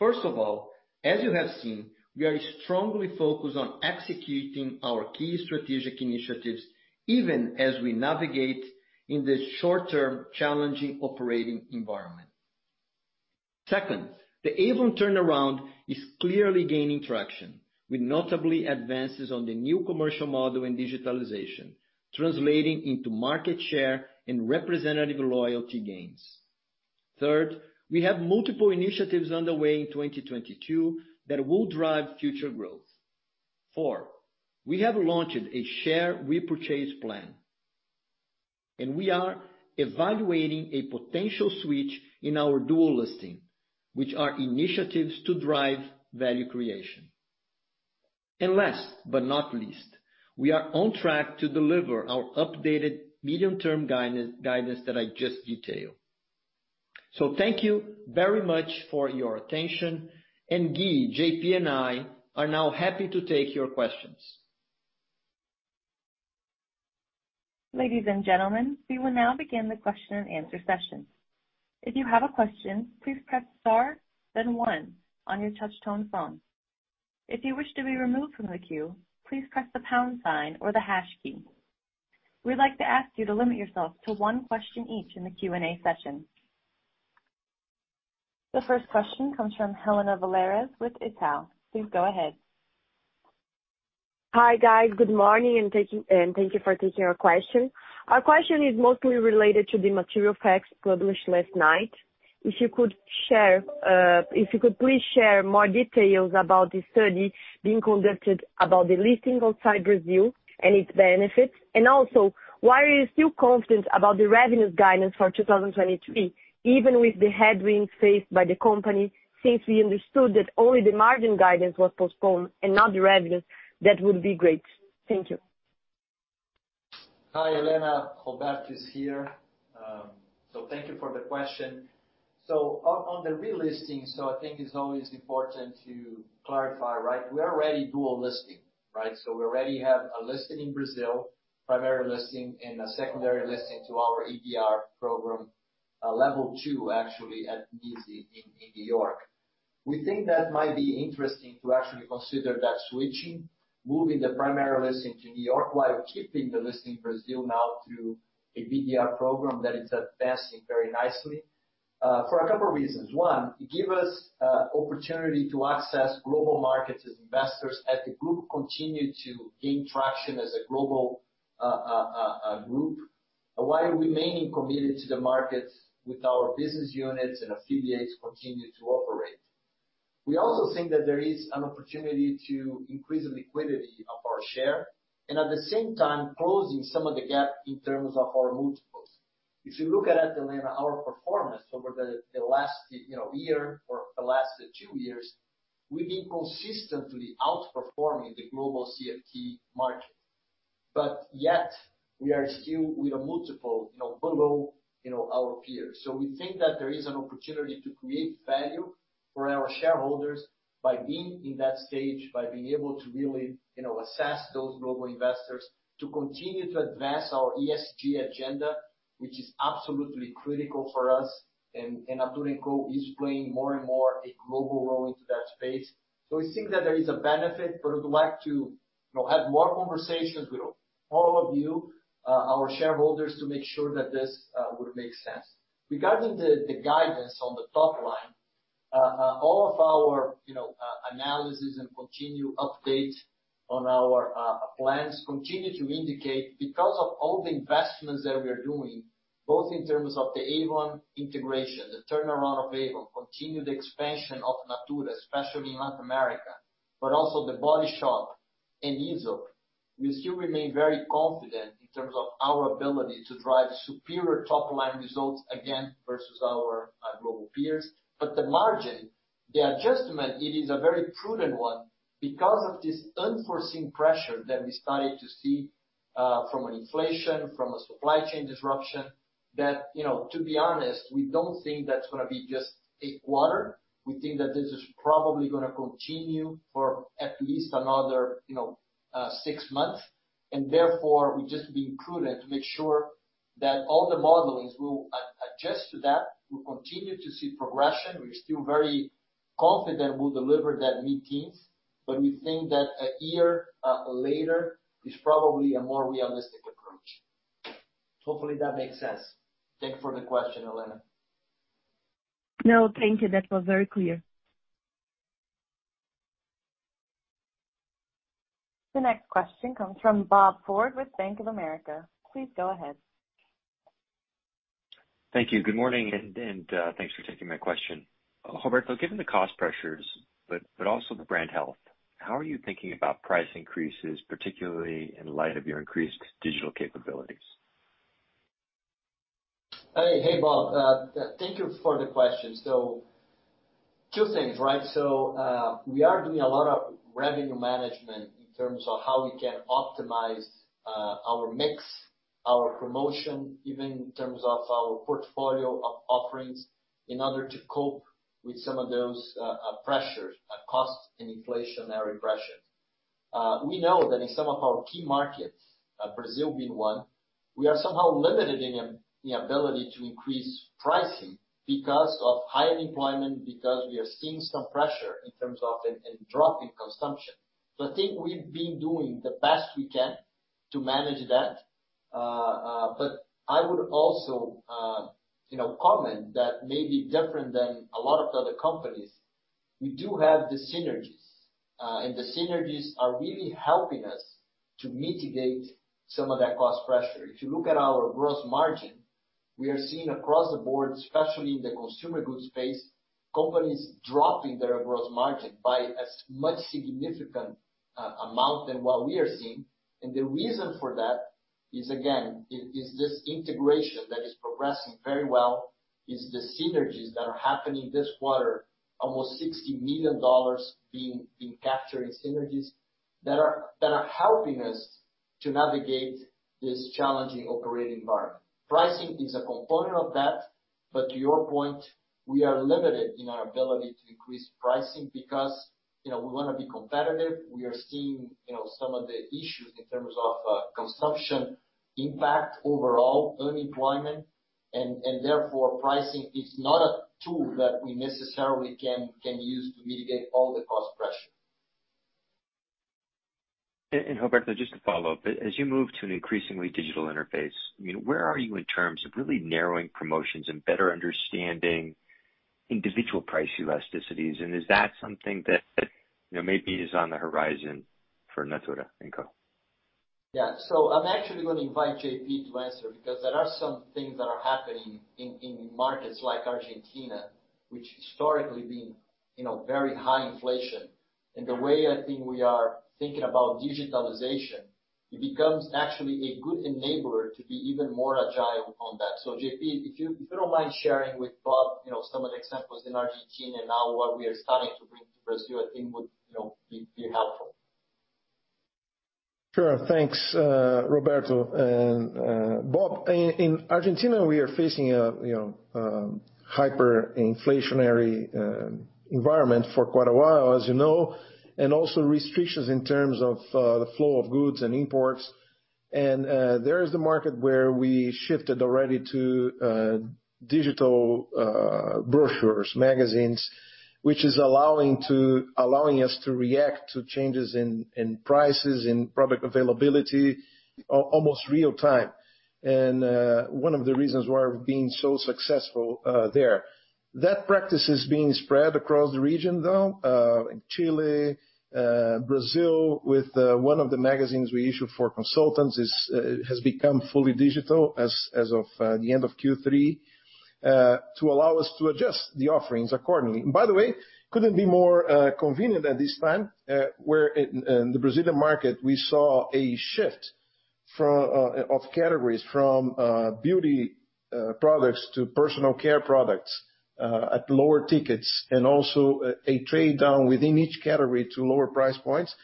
first of all, as you have seen, we are strongly focused on executing our key strategic initiatives, even as we navigate in the short-term challenging operating environment. Second, the Avon turnaround is clearly gaining traction, with notable advances on the new commercial model and digitalization, translating into market share and representative loyalty gains. Third, we have multiple initiatives underway in 2022 that will drive future growth. Four, we have launched a share repurchase plan, and we are evaluating a potential switch in our dual listing, which are initiatives to drive value creation. Last but not least, we are on track to deliver our updated medium-term guidance that I just detailed. Thank you very much for your attention. Gui, JP, and I are now happy to take your questions. Ladies and gentlemen, we will now begin the question-and-answer session. If you have a question, please press star then one on your touch tone phone. If you wish to be removed from the queue, please press the pound sign or the hash key. We'd like to ask you to limit yourself to one question each in the Q&A session. The first question comes from Helena Valero with Itaú. Please go ahead. Hi, guys. Good morning, and thank you for taking our question. Our question is mostly related to the material facts published last night. If you could please share more details about the study being conducted about the listing outside Brazil and its benefits, and also why are you still confident about the revenue guidance for 2023, even with the headwinds faced by the company, since we understood that only the margin guidance was postponed and not the revenue, that would be great. Thank you. Hi, Helena. Roberto is here. Thank you for the question. On the relisting, I think it's always important to clarify, right? We are already dual listing, right? We already have a listing in Brazil, primary listing, and a secondary listing to our ADR program, level two, actually, at NYSE in New York. We think that might be interesting to actually consider that switching, moving the primary listing to New York while keeping the listing in Brazil now through a BDR program that is advancing very nicely, for a couple reasons. One, it give us opportunity to access global markets as investors, as the group continue to gain traction as a global a group, while remaining committed to the markets with our business units and affiliates continue to operate. We also think that there is an opportunity to increase the liquidity of our share and at the same time closing some of the gap in terms of our multiples. If you look at, Helena, our performance over the last, you know, year or the last two years, we've been consistently outperforming the global CFT market. Yet we are still with a multiple, you know, below, you know, our peers. We think that there is an opportunity to create value for our shareholders by being in that stage, by being able to really, you know, access those global investors, to continue to advance our ESG agenda, which is absolutely critical for us. Natura & Co. is playing more and more a global role in that space. We think that there is a benefit, but we'd like to, you know, have more conversations with all of you, our shareholders, to make sure that this would make sense. Regarding the guidance on the top line, all of our, you know, analysis and continued update on our plans continue to indicate because of all the investments that we are doing, both in terms of the Avon integration, the turnaround of Avon, continued expansion of Natura, especially in Latin America, but also The Body Shop and Aesop, we still remain very confident in terms of our ability to drive superior top-line results again versus our global peers. The margin, the adjustment, it is a very prudent one because of this unforeseen pressure that we started to see, from an inflation, from a supply chain disruption, that, you know, to be honest, we don't think that's gonna be just a quarter. We think that this is probably gonna continue for at least another, you know, six months. Therefore, we're just being prudent to make sure that all the modelings will adjust to that. We continue to see progression. We're still very confident we'll deliver that mid-teens, but we think that a year later is probably a more realistic approach. Hopefully that makes sense. Thank you for the question, Helena. No, thank you. That was very clear. The next question comes from Bob Ford with Bank of America. Please go ahead. Thank you. Good morning, and thanks for taking my question. Roberto, given the cost pressures, but also the brand health, how are you thinking about price increases, particularly in light of your increased digital capabilities? Hey, Bob, thank you for the question. Two things, right? We are doing a lot of revenue management in terms of how we can optimize our mix, our promotion, even in terms of our portfolio of offerings, in order to cope with some of those pressures, cost and inflationary pressures. We know that in some of our key markets, Brazil being one, we are somehow limited in the ability to increase pricing because of high unemployment, because we are seeing some pressure in terms of a drop in consumption. I think we've been doing the best we can to manage that. I would also, you know, comment that maybe different than a lot of the other companies, we do have the synergies. The synergies are really helping us to mitigate some of that cost pressure. If you look at our gross margin, we are seeing across the board, especially in the consumer goods space, companies dropping their gross margin by as much significant amount than what we are seeing. The reason for that is, again, it is this integration that is progressing very well. It's the synergies that are happening this quarter, almost $60 million being captured in synergies that are helping us to navigate this challenging operating environment. Pricing is a component of that, but to your point, we are limited in our ability to increase pricing because, you know, we wanna be competitive. We are seeing, you know, some of the issues in terms of, consumption impact overall unemployment and therefore pricing is not a tool that we necessarily can use to mitigate all the cost pressure. Roberto, just to follow up, as you move to an increasingly digital interface, you know, where are you in terms of really narrowing promotions and better understanding individual price elasticities? Is that something that, you know, maybe is on the horizon for Natura &Co.? Yeah. I'm actually gonna invite JP to answer, because there are some things that are happening in markets like Argentina, which historically been, you know, very high inflation. The way I think we are thinking about digitalization, it becomes actually a good enabler to be even more agile on that. JP, if you don't mind sharing with Bob, you know, some of the examples in Argentina and now what we are starting to bring to Brazil, I think would, you know, be helpful. Sure. Thanks, Roberto and, Bob. In Argentina, we are facing a you know hyperinflationary environment for quite a while, as you know, and also restrictions in terms of the flow of goods and imports. There is a market where we shifted already to digital brochures, magazines, which is allowing us to react to changes in prices, in product availability almost in real time, and one of the reasons we're being so successful there. That practice is being spread across the region, though in Chile, Brazil with one of the magazines we issue for consultants has become fully digital as of the end of Q3 to allow us to adjust the offerings accordingly. By the way, couldn't be more convenient at this time, where in the Brazilian market, we saw a shift of categories from beauty products to personal care products at lower tickets and also a trade-down within each category to lower price points.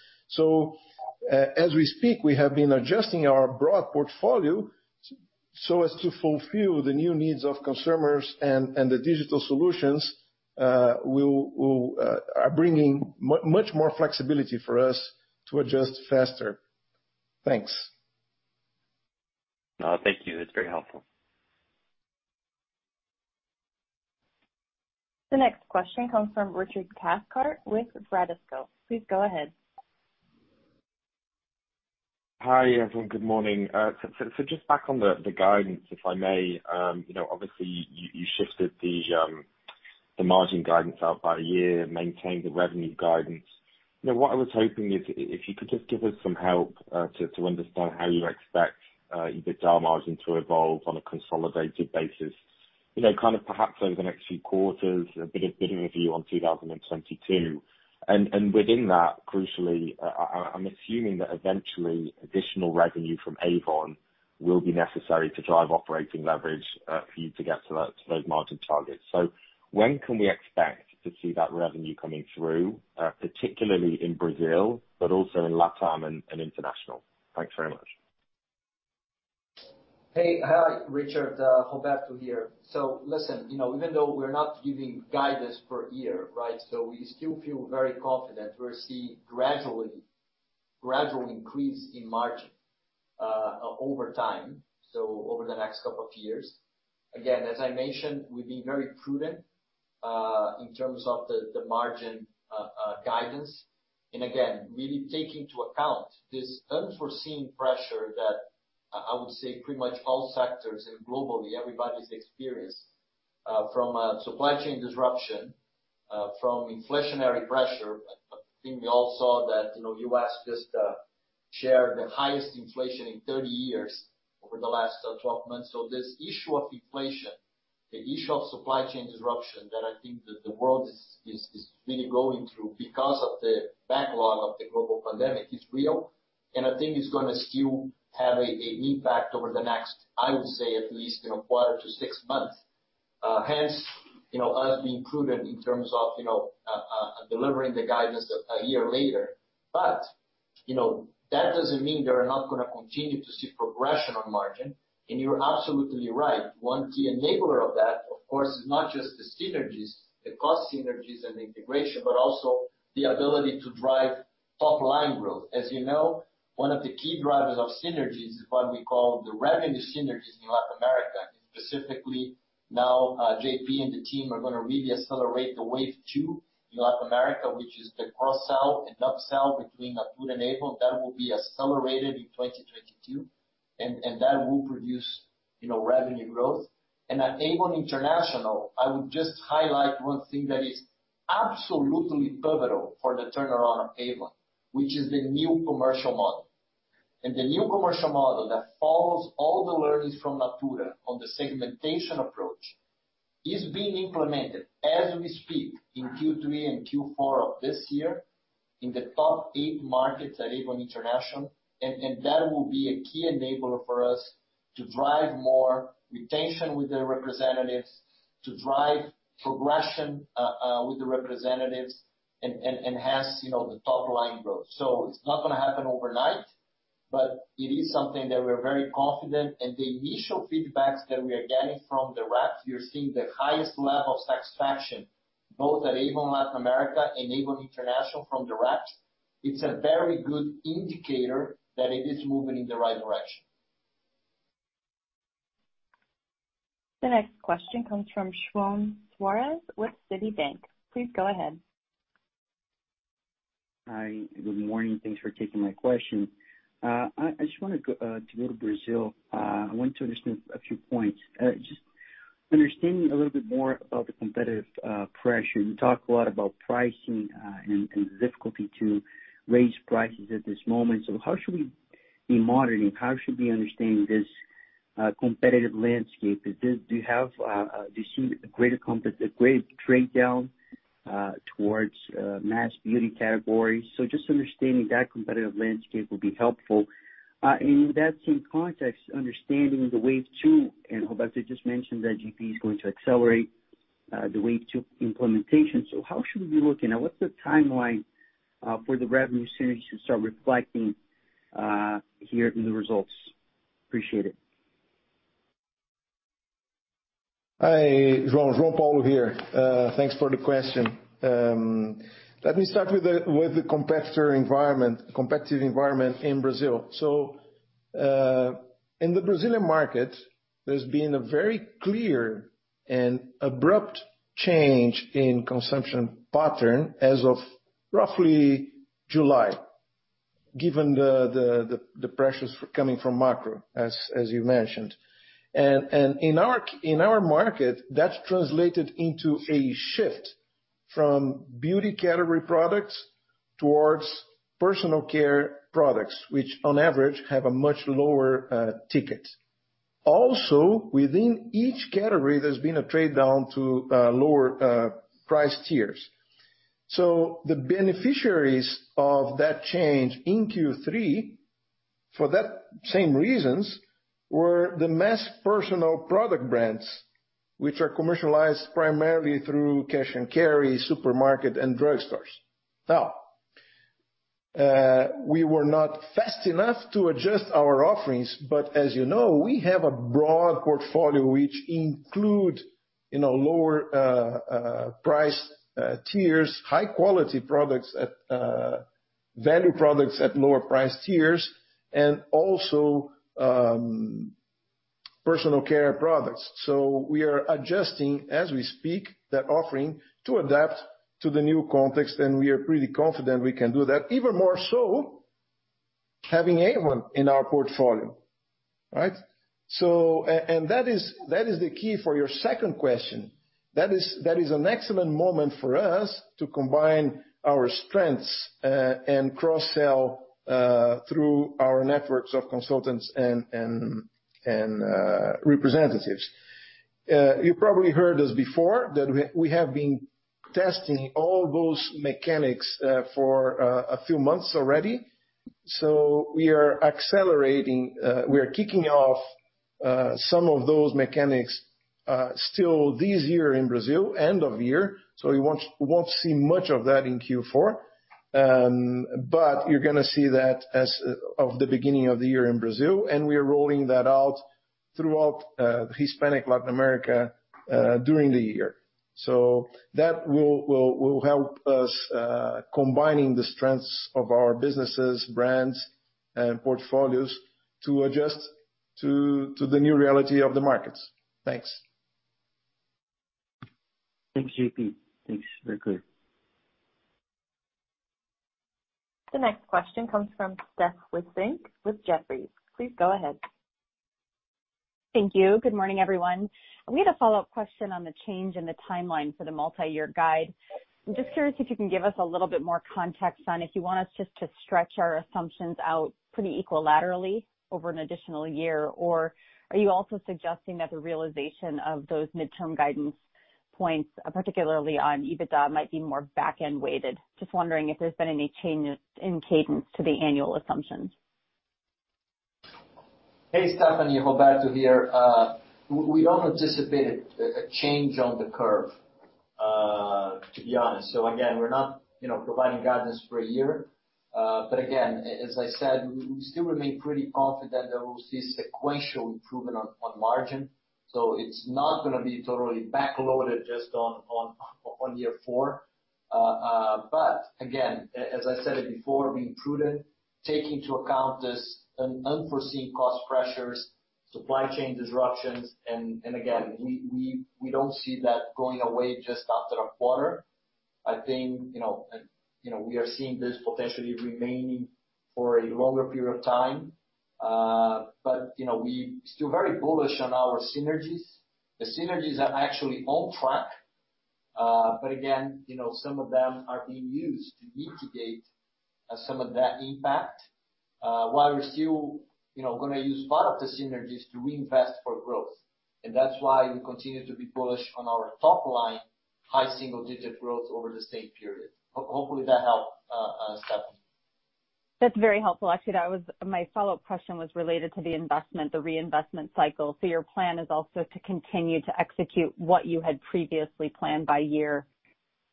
As we speak, we have been adjusting our broad portfolio so as to fulfill the new needs of consumers and the digital solutions are bringing much more flexibility for us to adjust faster. Thanks. Thank you. That's very helpful. The next question comes from Richard Cathcart with Bradesco. Please go ahead. Hi, everyone. Good morning. Just back on the guidance, if I may. You know, obviously you shifted the margin guidance out by a year, maintained the revenue guidance. You know, what I was hoping is if you could just give us some help to understand how you expect EBITDA margin to evolve on a consolidated basis, you know, kind of perhaps over the next few quarters, a bit of bigger view on 2022. Within that, crucially, I'm assuming that eventually additional revenue from Avon will be necessary to drive operating leverage for you to get to that, to those margin targets. When can we expect to see that revenue coming through, particularly in Brazil, but also in LatAm and international? Thanks very much. Hey. Hi, Richard, Roberto here. Listen, you know, even though we're not giving guidance per year, right? We still feel very confident. We're seeing gradual increase in margin over time, so over the next couple of years. Again, as I mentioned, we've been very prudent in terms of the margin guidance. Again, really taking into account this unforeseen pressure that I would say pretty much all sectors and globally, everybody's experienced from supply chain disruption from inflationary pressure. I think we all saw that, you know, U.S. just shared the highest inflation in 30 years over the last 12 months. This issue of inflation, the issue of supply chain disruption that I think the world is really going through because of the backlog of the global pandemic is real, and I think it's gonna still have an impact over the next, I would say at least, you know, a quarter to six months. Hence, you know, us being prudent in terms of, you know, delivering the guidance a year later. You know, that doesn't mean that we're not gonna continue to see progression on margin. You're absolutely right. One key enabler of that, of course, is not just the synergies, the cost synergies and integration, but also the ability to drive top-line growth. As you know, one of the key drivers of synergies is what we call the revenue synergies in Latin America. Specifically now, JP and the team are gonna really accelerate the wave two in Latin America, which is the cross-sell and up-sell between Natura and Avon. That will be accelerated in 2022, and that will produce, you know, revenue growth. At Avon International, I would just highlight one thing that is absolutely pivotal for the turnaround of Avon, which is the new commercial model. The new commercial model that follows all the learnings from Natura on the segmentation approach is being implemented as we speak in Q3 and Q4 of this year in the top eight markets at Avon International. That will be a key enabler for us to drive more retention with the representatives, to drive progression with the representatives and hence, you know, the top-line growth. It's not gonna happen overnight, but it is something that we're very confident. The initial feedbacks that we are getting from the reps, we are seeing the highest level of satisfaction, both at Avon Latin America and Avon International from the reps. It's a very good indicator that it is moving in the right direction. The next question comes from João Soares with Citibank. Please go ahead. Hi, good morning. Thanks for taking my question. I just wanted to go to Brazil. I want to understand a few points. Just understanding a little bit more of the competitive pressure, you talk a lot about pricing and the difficulty to raise prices at this moment. How should we be monitoring? How should we understand this competitive landscape? Do you see the great trade-down towards mass beauty categories? Just understanding that competitive landscape will be helpful. In that same context, understanding the wave two, and Roberto just mentioned that GP is going to accelerate the wave two implementation. How should we be looking at what's the timeline for the revenue synergies to start reflecting here in the results? Appreciate it. Hi, João. João Paulo here. Thanks for the question. Let me start with the competitive environment in Brazil. In the Brazilian market, there's been a very clear and abrupt change in consumption pattern as of roughly July, given the pressures coming from macro, as you mentioned. In our market, that's translated into a shift from beauty category products towards personal care products, which on average have a much lower ticket. Also, within each category, there's been a trade-down to lower price tiers. The beneficiaries of that change in Q3, for that same reasons, were the mass personal product brands, which are commercialized primarily through cash and carry, supermarket, and drugstores. Now, we were not fast enough to adjust our offerings, but as you know, we have a broad portfolio which include, you know, lower priced tiers, high quality products at value products at lower priced tiers and also personal care products. We are adjusting as we speak that offering to adapt to the new context, and we are pretty confident we can do that, even more so having Avon in our portfolio, right? That is the key for your second question. That is an excellent moment for us to combine our strengths and cross-sell through our networks of consultants and representatives. You probably heard us before that we have been testing all those mechanics for a few months already. We are accelerating, we are kicking off some of those mechanics still this year in Brazil, end of year. You won't see much of that in Q4. But you're gonna see that as of the beginning of the year in Brazil, and we are rolling that out throughout Hispanic Latin America during the year. That will help us combining the strengths of our businesses, brands and portfolios to adjust to the new reality of the markets. Thanks. Thanks, JP. Thanks. Very clear. The next question comes from Steph Wissink with Jefferies. Please go ahead. Thank you. Good morning, everyone. We had a follow-up question on the change in the timeline for the multi-year guidance. I'm just curious if you can give us a little bit more context on if you want us just to stretch our assumptions out pretty equally over an additional year, or are you also suggesting that the realization of those midterm guidance points, particularly on EBITDA, might be more back-end weighted? Just wondering if there's been any change in cadence to the annual assumptions? Hey, Stephanie, Roberto here. We don't anticipate a change on the curve, to be honest. Again, we're not, you know, providing guidance for a year. Again, as I said, we still remain pretty confident that we'll see sequential improvement on margin. It's not gonna be totally backloaded just on year four. Again, as I said it before, being prudent, taking into account this unforeseen cost pressures, supply chain disruptions, and again, we don't see that going away just after a quarter. I think, you know, and, you know, we are seeing this potentially remaining for a longer period of time. You know, we still very bullish on our synergies. The synergies are actually on track. Again, you know, some of them are being used to mitigate some of that impact while we're still, you know, gonna use part of the synergies to invest for growth. That's why we continue to be bullish on our top line, high single digit growth over the stated period. Hopefully that helped, Stephanie. That's very helpful. Actually, that was my follow-up question was related to the investment, the reinvestment cycle. Your plan is also to continue to execute what you had previously planned by year,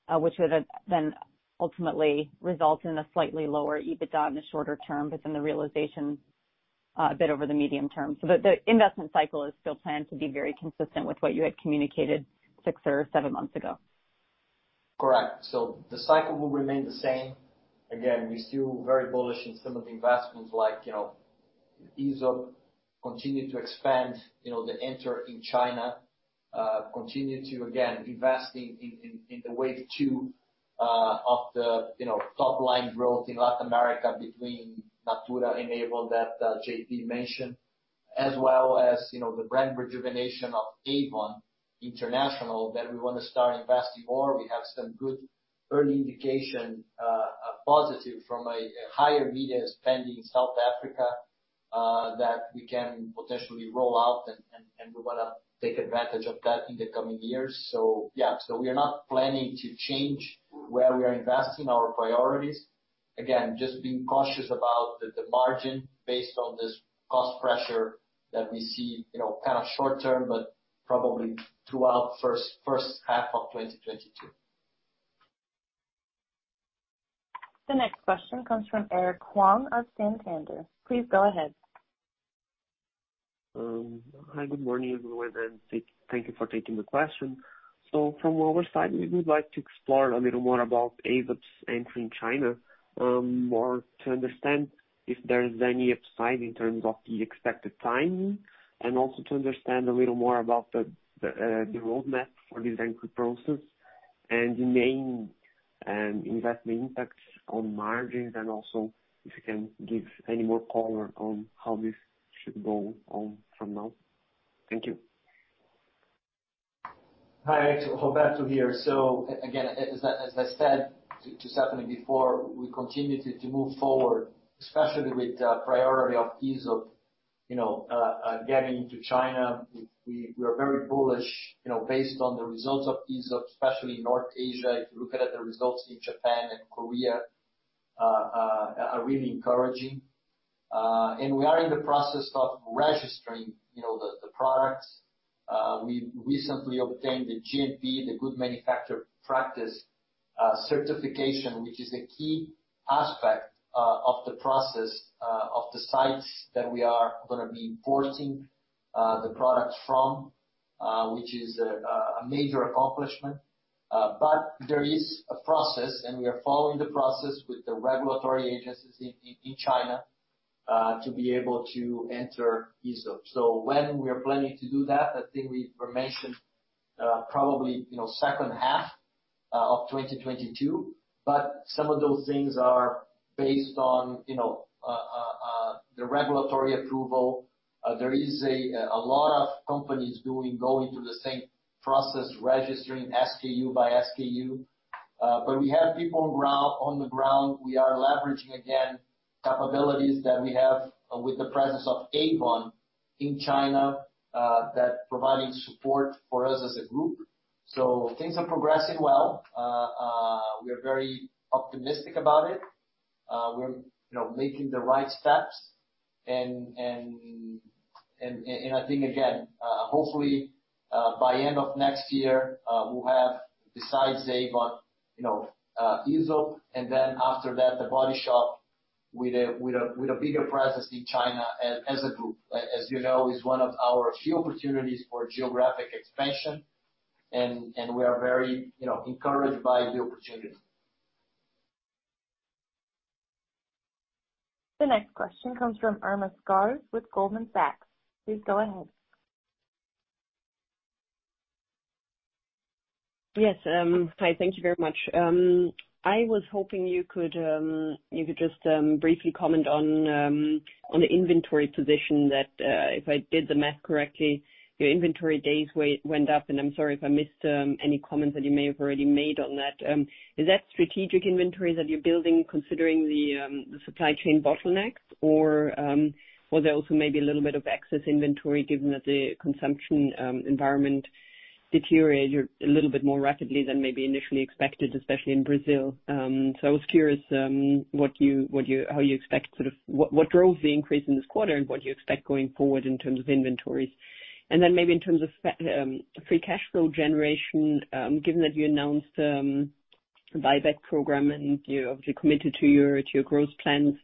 which would've then ultimately result in a slightly lower EBITDA in the shorter term, but then the realization a bit over the medium term. The investment cycle is still planned to be very consistent with what you had communicated six or seven months ago. Correct. The cycle will remain the same. Again, we're still very bullish in some of the investments like, you know, Aesop continue to expand, you know, to enter in China, continue to again investing in the wave two of the, you know, top line growth in Latin America between Natura and Avon, that JP mentioned. As well as, you know, the brand rejuvenation of Avon International that we wanna start investing more. We have some good early indication, positive from a higher media spend in South Africa, that we can potentially roll out, and we wanna take advantage of that in the coming years. Yeah. We are not planning to change where we are investing our priorities. Again, just being cautious about the margin based on this cost pressure that we see, you know, kind of short term, but probably throughout first half of 2022. The next question comes from Eric Huang of Santander. Please go ahead. Hi, good morning, everyone, and thank you for taking the question. From our side, we would like to explore a little more about Avon's entry in China, more to understand if there's any upside in terms of the expected timing, and also to understand a little more about the roadmap for this entry process and the main investment impacts on margins and also if you can give any more color on how this should go on from now. Thank you. Hi, Eric. Roberto here. Again, as I said to Stephanie before, we continue to move forward, especially with the priority of Aesop, you know, getting into China. We are very bullish, you know, based on the results of Aesop, especially in North Asia. If you look at the results in Japan and Korea, they are really encouraging. We are in the process of registering, you know, the products. We recently obtained the GMP, the Good Manufacturing Practice, certification, which is a key aspect of the process of the sites that we are gonna be importing the products from, which is a major accomplishment. There is a process, and we are following the process with the regulatory agencies in China to be able to enter Aesop. When we are planning to do that, I think, probably, you know, second half of 2022. Some of those things are based on, you know, the regulatory approval. There is a lot of companies going through the same process, registering SKU by SKU. We have people on the ground. We are leveraging, again, capabilities that we have with the presence of Avon in China that provide support for us as a group. Things are progressing well. We are very optimistic about it. We're, you know, making the right steps. I think, again, hopefully, by end of next year, we'll have besides Avon, you know, Aesop, and then after that, The Body Shop with a bigger presence in China as a group. As you know, is one of our few opportunities for geographic expansion, and we are very, you know, encouraged by the opportunity. The next question comes from Irma Sgarz with Goldman Sachs. Please go ahead. Yes, hi. Thank you very much. I was hoping you could just briefly comment on the inventory position that, if I did the math correctly, your inventory days went up, and I'm sorry if I missed any comments that you may have already made on that. Is that strategic inventory that you're building considering the supply chain bottlenecks or was there also maybe a little bit of excess inventory given that the consumption environment deteriorated a little bit more rapidly than maybe initially expected, especially in Brazil? I was curious what drove the increase in this quarter and what you expect going forward in terms of inventories? Maybe in terms of free cash flow generation, given that you announced buyback program and you obviously committed to your growth plans,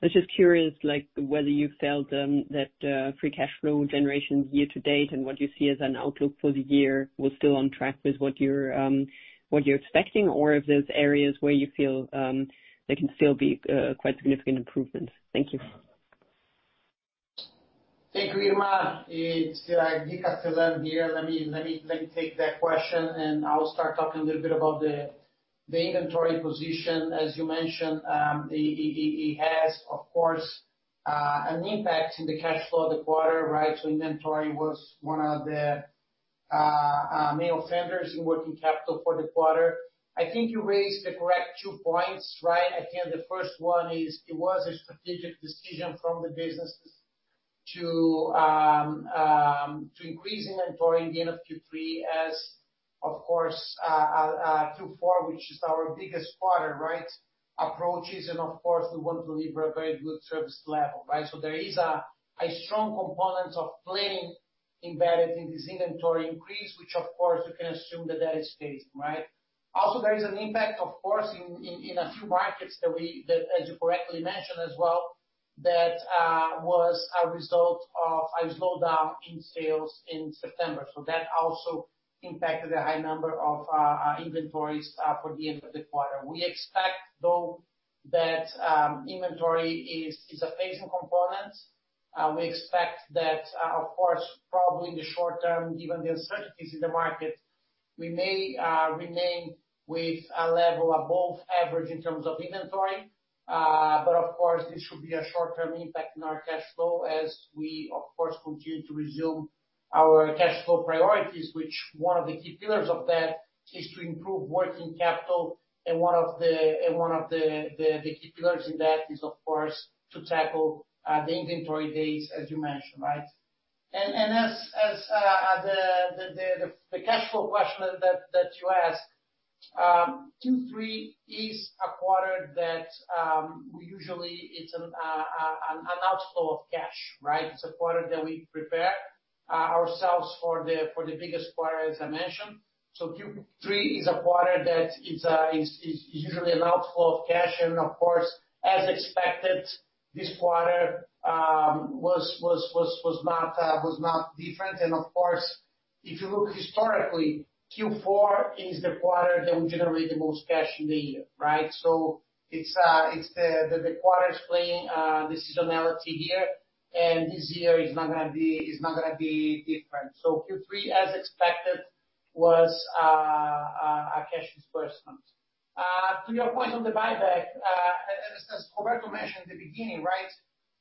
I was just curious, like, whether you felt that free cash flow generation year to date and what you see as an outlook for the year was still on track with what you're expecting, or if there's areas where you feel there can still be quite significant improvements. Thank you. Thank you, Irma. It's Guilherme here. Let me take that question, and I will start talking a little bit about the inventory position. As you mentioned, it has of course an impact in the cash flow of the quarter, right? Inventory was one of the main offenders in working capital for the quarter. I think you raised the correct two points, right? Again, the first one is it was a strategic decision from the businesses to increase inventory at the end of Q3 as, of course, Q4, which is our biggest quarter, right, approaches and of course we want to deliver a very good service level, right? There is a strong component of planning embedded in this inventory increase, which of course you can assume that is phasing, right? There is an impact of course in a few markets that as you correctly mentioned as well, that was a result of a slowdown in sales in September. That also impacted a high number of inventories for the end of the quarter. We expect though that inventory is a phasing component. We expect that of course, probably in the short term, given the uncertainties in the market. We may remain with a level above average in terms of inventory, but of course, this should be a short-term impact in our cash flow as we, of course, continue to resume our cash flow priorities, which one of the key pillars of that is to improve working capital and one of the key pillars in that is of course to tackle the inventory days as you mentioned, right? As the cash flow question that you asked, Q3 is a quarter that we usually it's an outflow of cash, right? It's a quarter that we prepare ourselves for the biggest quarter, as I mentioned. Q3 is a quarter that it is usually an outflow of cash and of course, as expected, this quarter was not different. Of course, if you look historically, Q4 is the quarter that we generate the most cash in the year, right? It's the quarter's playing seasonality here, and this year is not gonna be different. Q3 as expected was a cash disbursement. To your point on the buyback, as Roberto mentioned at the beginning, right,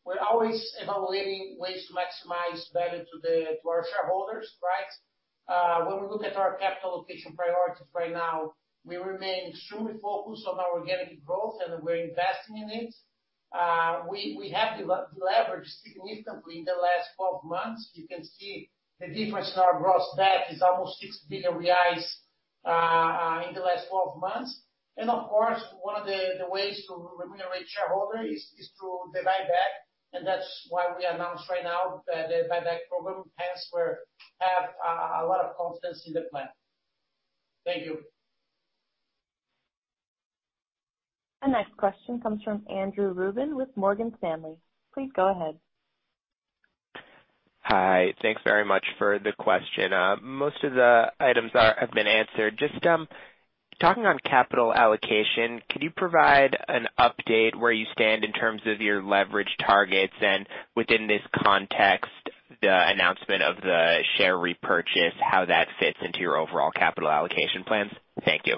we're always evaluating ways to maximize value to our shareholders, right? When we look at our capital allocation priorities right now, we remain extremely focused on our organic growth and we're investing in it. We have de-leveraged significantly in the last 12 months. You can see the difference in our gross debt is almost 6 billion reais in the last 12 months. Of course, one of the ways to remunerate shareholder is through the buyback, and that's why we announced right now that the buyback program hence we have a lot of confidence in the plan. Thank you. The next question comes from Andrew Ruben with Morgan Stanley. Please go ahead. Hi. Thanks very much for the question. Most of the items have been answered. Just talking on capital allocation, could you provide an update where you stand in terms of your leverage targets and within this context, the announcement of the share repurchase, how that fits into your overall capital allocation plans? Thank you.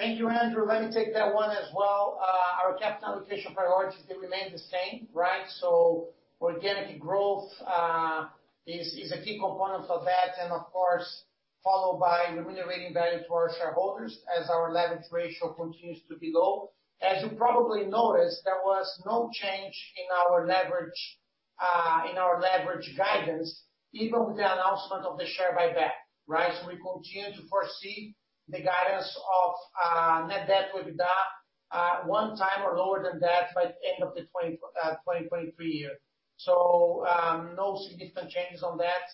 Thank you, Andrew. Let me take that one as well. Our capital allocation priorities, they remain the same, right? Organic growth is a key component of that, and of course, followed by remunerating value to our shareholders as our leverage ratio continues to be low. As you probably noticed, there was no change in our leverage guidance, even with the announcement of the share buyback, right? We continue to foresee the guidance of net debt with EBITDA 1x or lower than that by the end of 2023. No significant changes on that.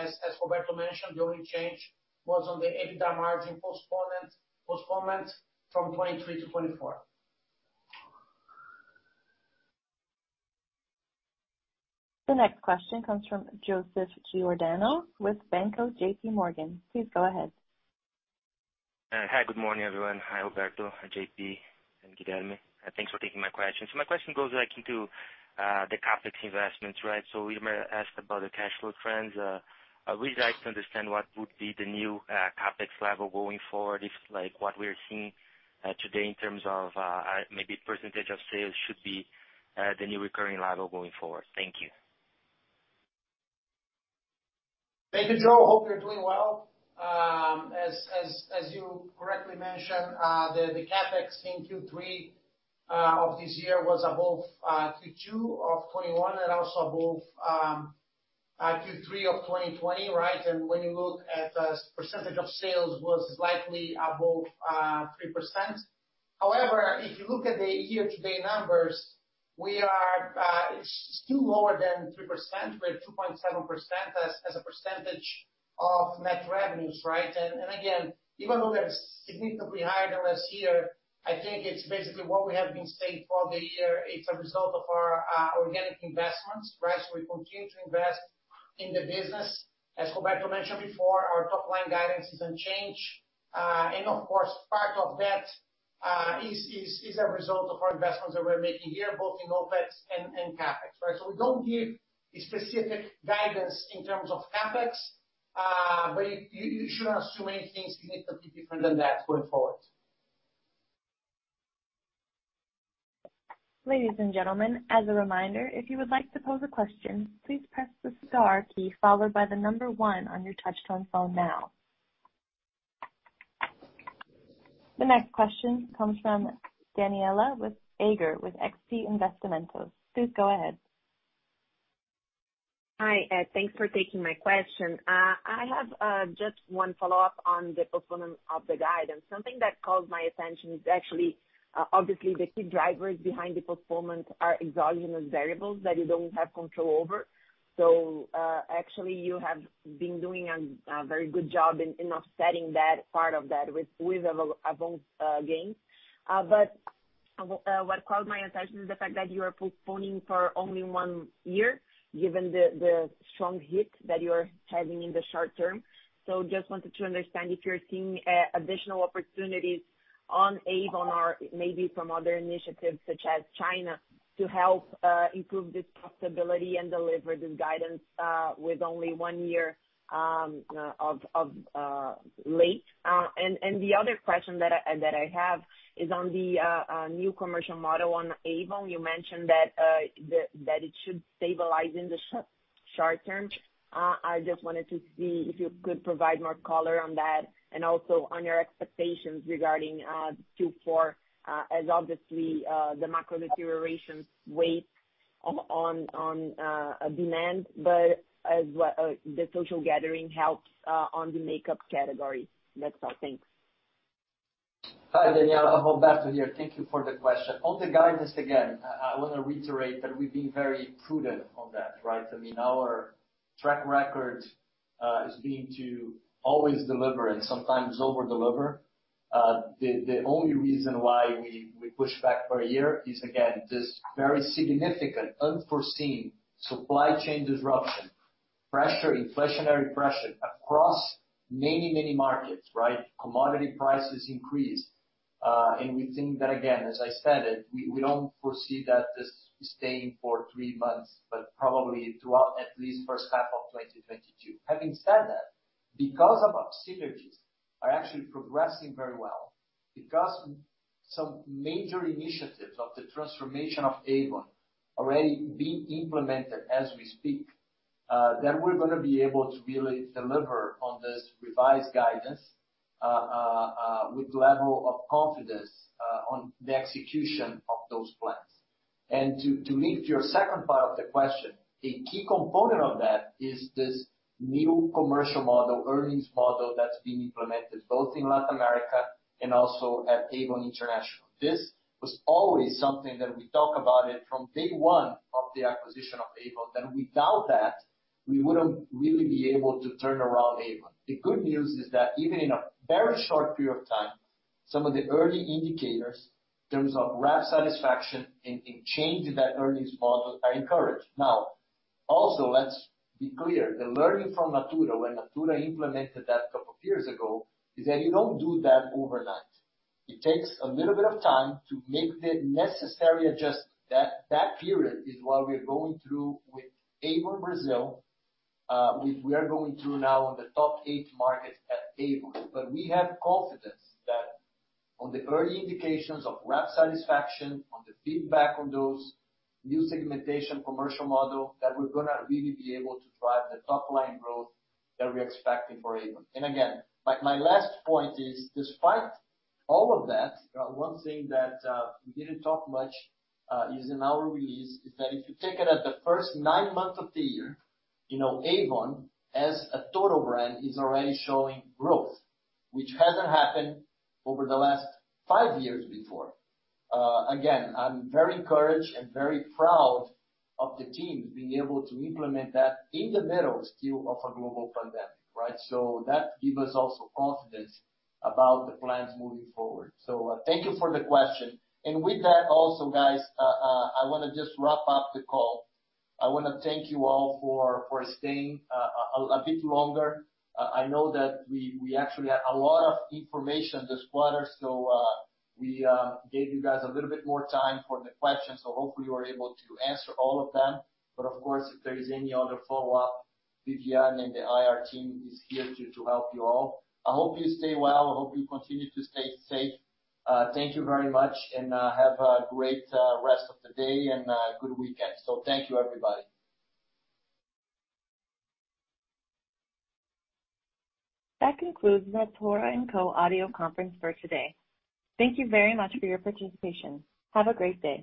As Roberto mentioned, the only change was on the EBITDA margin postponement from 2023 to 2024. The next question comes from Joseph Giordano with JPMorgan. Please go ahead. Hi, good morning, everyone. Hi, Roberto, JP, and Guilherme. Thanks for taking my question. My question goes like into the CapEx investments, right? Guilherme asked about the cash flow trends. I would like to understand what would be the new CapEx level going forward if like what we're seeing today in terms of maybe percentage of sales should be the new recurring level going forward. Thank you. Thank you, Joe. Hope you're doing well. As you correctly mentioned, the CapEx in Q3 of this year was above Q2 of 2021 and also above Q3 of 2020, right? When you look at the percentage of sales was likely above 3%. However, if you look at the year-to-date numbers, it's still lower than 3%. We're at 2.7% as a percentage of net revenues, right? Again, even though that is significantly higher than last year, I think it's basically what we have been saying for the year. It's a result of our organic investments, right? We continue to invest in the business. As Roberto mentioned before, our top-line guidance is unchanged. Of course, part of that is a result of our investments that we're making here, both in OpEx and CapEx, right? We don't give a specific guidance in terms of CapEx, but you shouldn't assume anything significantly different than that going forward. Ladies and gentlemen, as a reminder, if you would like to pose a question, please press the star key followed by the number one on your touchtone phone now. The next question comes from Danniela Eiger with XP Investimentos. Please go ahead. Hi, thanks for taking my question. I have just one follow-up on the performance of the guidance. Something that caught my attention is actually obviously the key drivers behind the performance are exogenous variables that you don't have control over. Actually you have been doing a very good job in offsetting that part of that with a both gain. What caught my attention is the fact that you are postponing for only one year given the strong hit that you're having in the short term. Just wanted to understand if you're seeing additional opportunities on Avon or maybe from other initiatives such as China to help improve this profitability and deliver this guidance with only one year of late. The other question that I have is on the new commercial model on Avon. You mentioned that it should stabilize in the short term. I just wanted to see if you could provide more color on that and also on your expectations regarding Q4, as obviously the macro deterioration weighs on demand, but as well the social gathering helps on the makeup category. That's all. Thanks. Hi, Daniela. Roberto here. Thank you for the question. On the guidance, again, I wanna reiterate that we've been very prudent on that, right? I mean, our track record has been to always deliver and sometimes over-deliver. The only reason why we pushed back for a year is, again, this very significant unforeseen supply chain disruption, pressure, inflationary pressure across many, many markets, right? Commodity prices increased. We think that, again, as I stated, we don't foresee that this is staying for three months, but probably throughout at least first half of 2022. Having said that, because of our synergies are actually progressing very well, because some major initiatives of the transformation of Avon already being implemented as we speak, then we're gonna be able to really deliver on this revised guidance, with level of confidence, on the execution of those plans. To link to your second part of the question, a key component of that is this new commercial model, earnings model that's being implemented both in Latin America and also at Avon International. This was always something that we talk about it from day one of the acquisition of Avon, that without that, we wouldn't really be able to turn around Avon. The good news is that even in a very short period of time, some of the early indicators in terms of rep satisfaction in changing that earnings model are encouraged. Now, also, let's be clear, the learning from Natura when Natura implemented that a couple of years ago is that you don't do that overnight. It takes a little bit of time to make the necessary adjustments. That period is what we are going through with Avon Brazil. We are going through now on the top eight markets at Avon. But we have confidence that on the early indications of rep satisfaction, on the feedback on those new segmentation commercial model, that we're gonna really be able to drive the top line growth that we're expecting for Avon. Again, my last point is despite all of that, one thing that we didn't talk much is in our release, is that if you take a look at the first nine months of the year, you know, Avon as a total brand is already showing growth, which hasn't happened over the last five years before. Again, I'm very encouraged and very proud of the teams being able to implement that still in the middle of a global pandemic, right? That give us also confidence about the plans moving forward. Thank you for the question. With that also, guys, I wanna just wrap up the call. I wanna think you all for staying a bit longer. I know that we actually had a lot of information this quarter, so we gave you guys a little bit more time for the questions. Hopefully we were able to answer all of them. Of course, if there is any other follow-up, Vivian and the IR team is here to help you all. I hope you stay well. I hope you continue to stay safe. Thank you very much, and have a great rest of the day and good weekend. Thank you, everybody. That concludes Natura &Co audio conference for today. Thank you very much for your participation. Have a great day.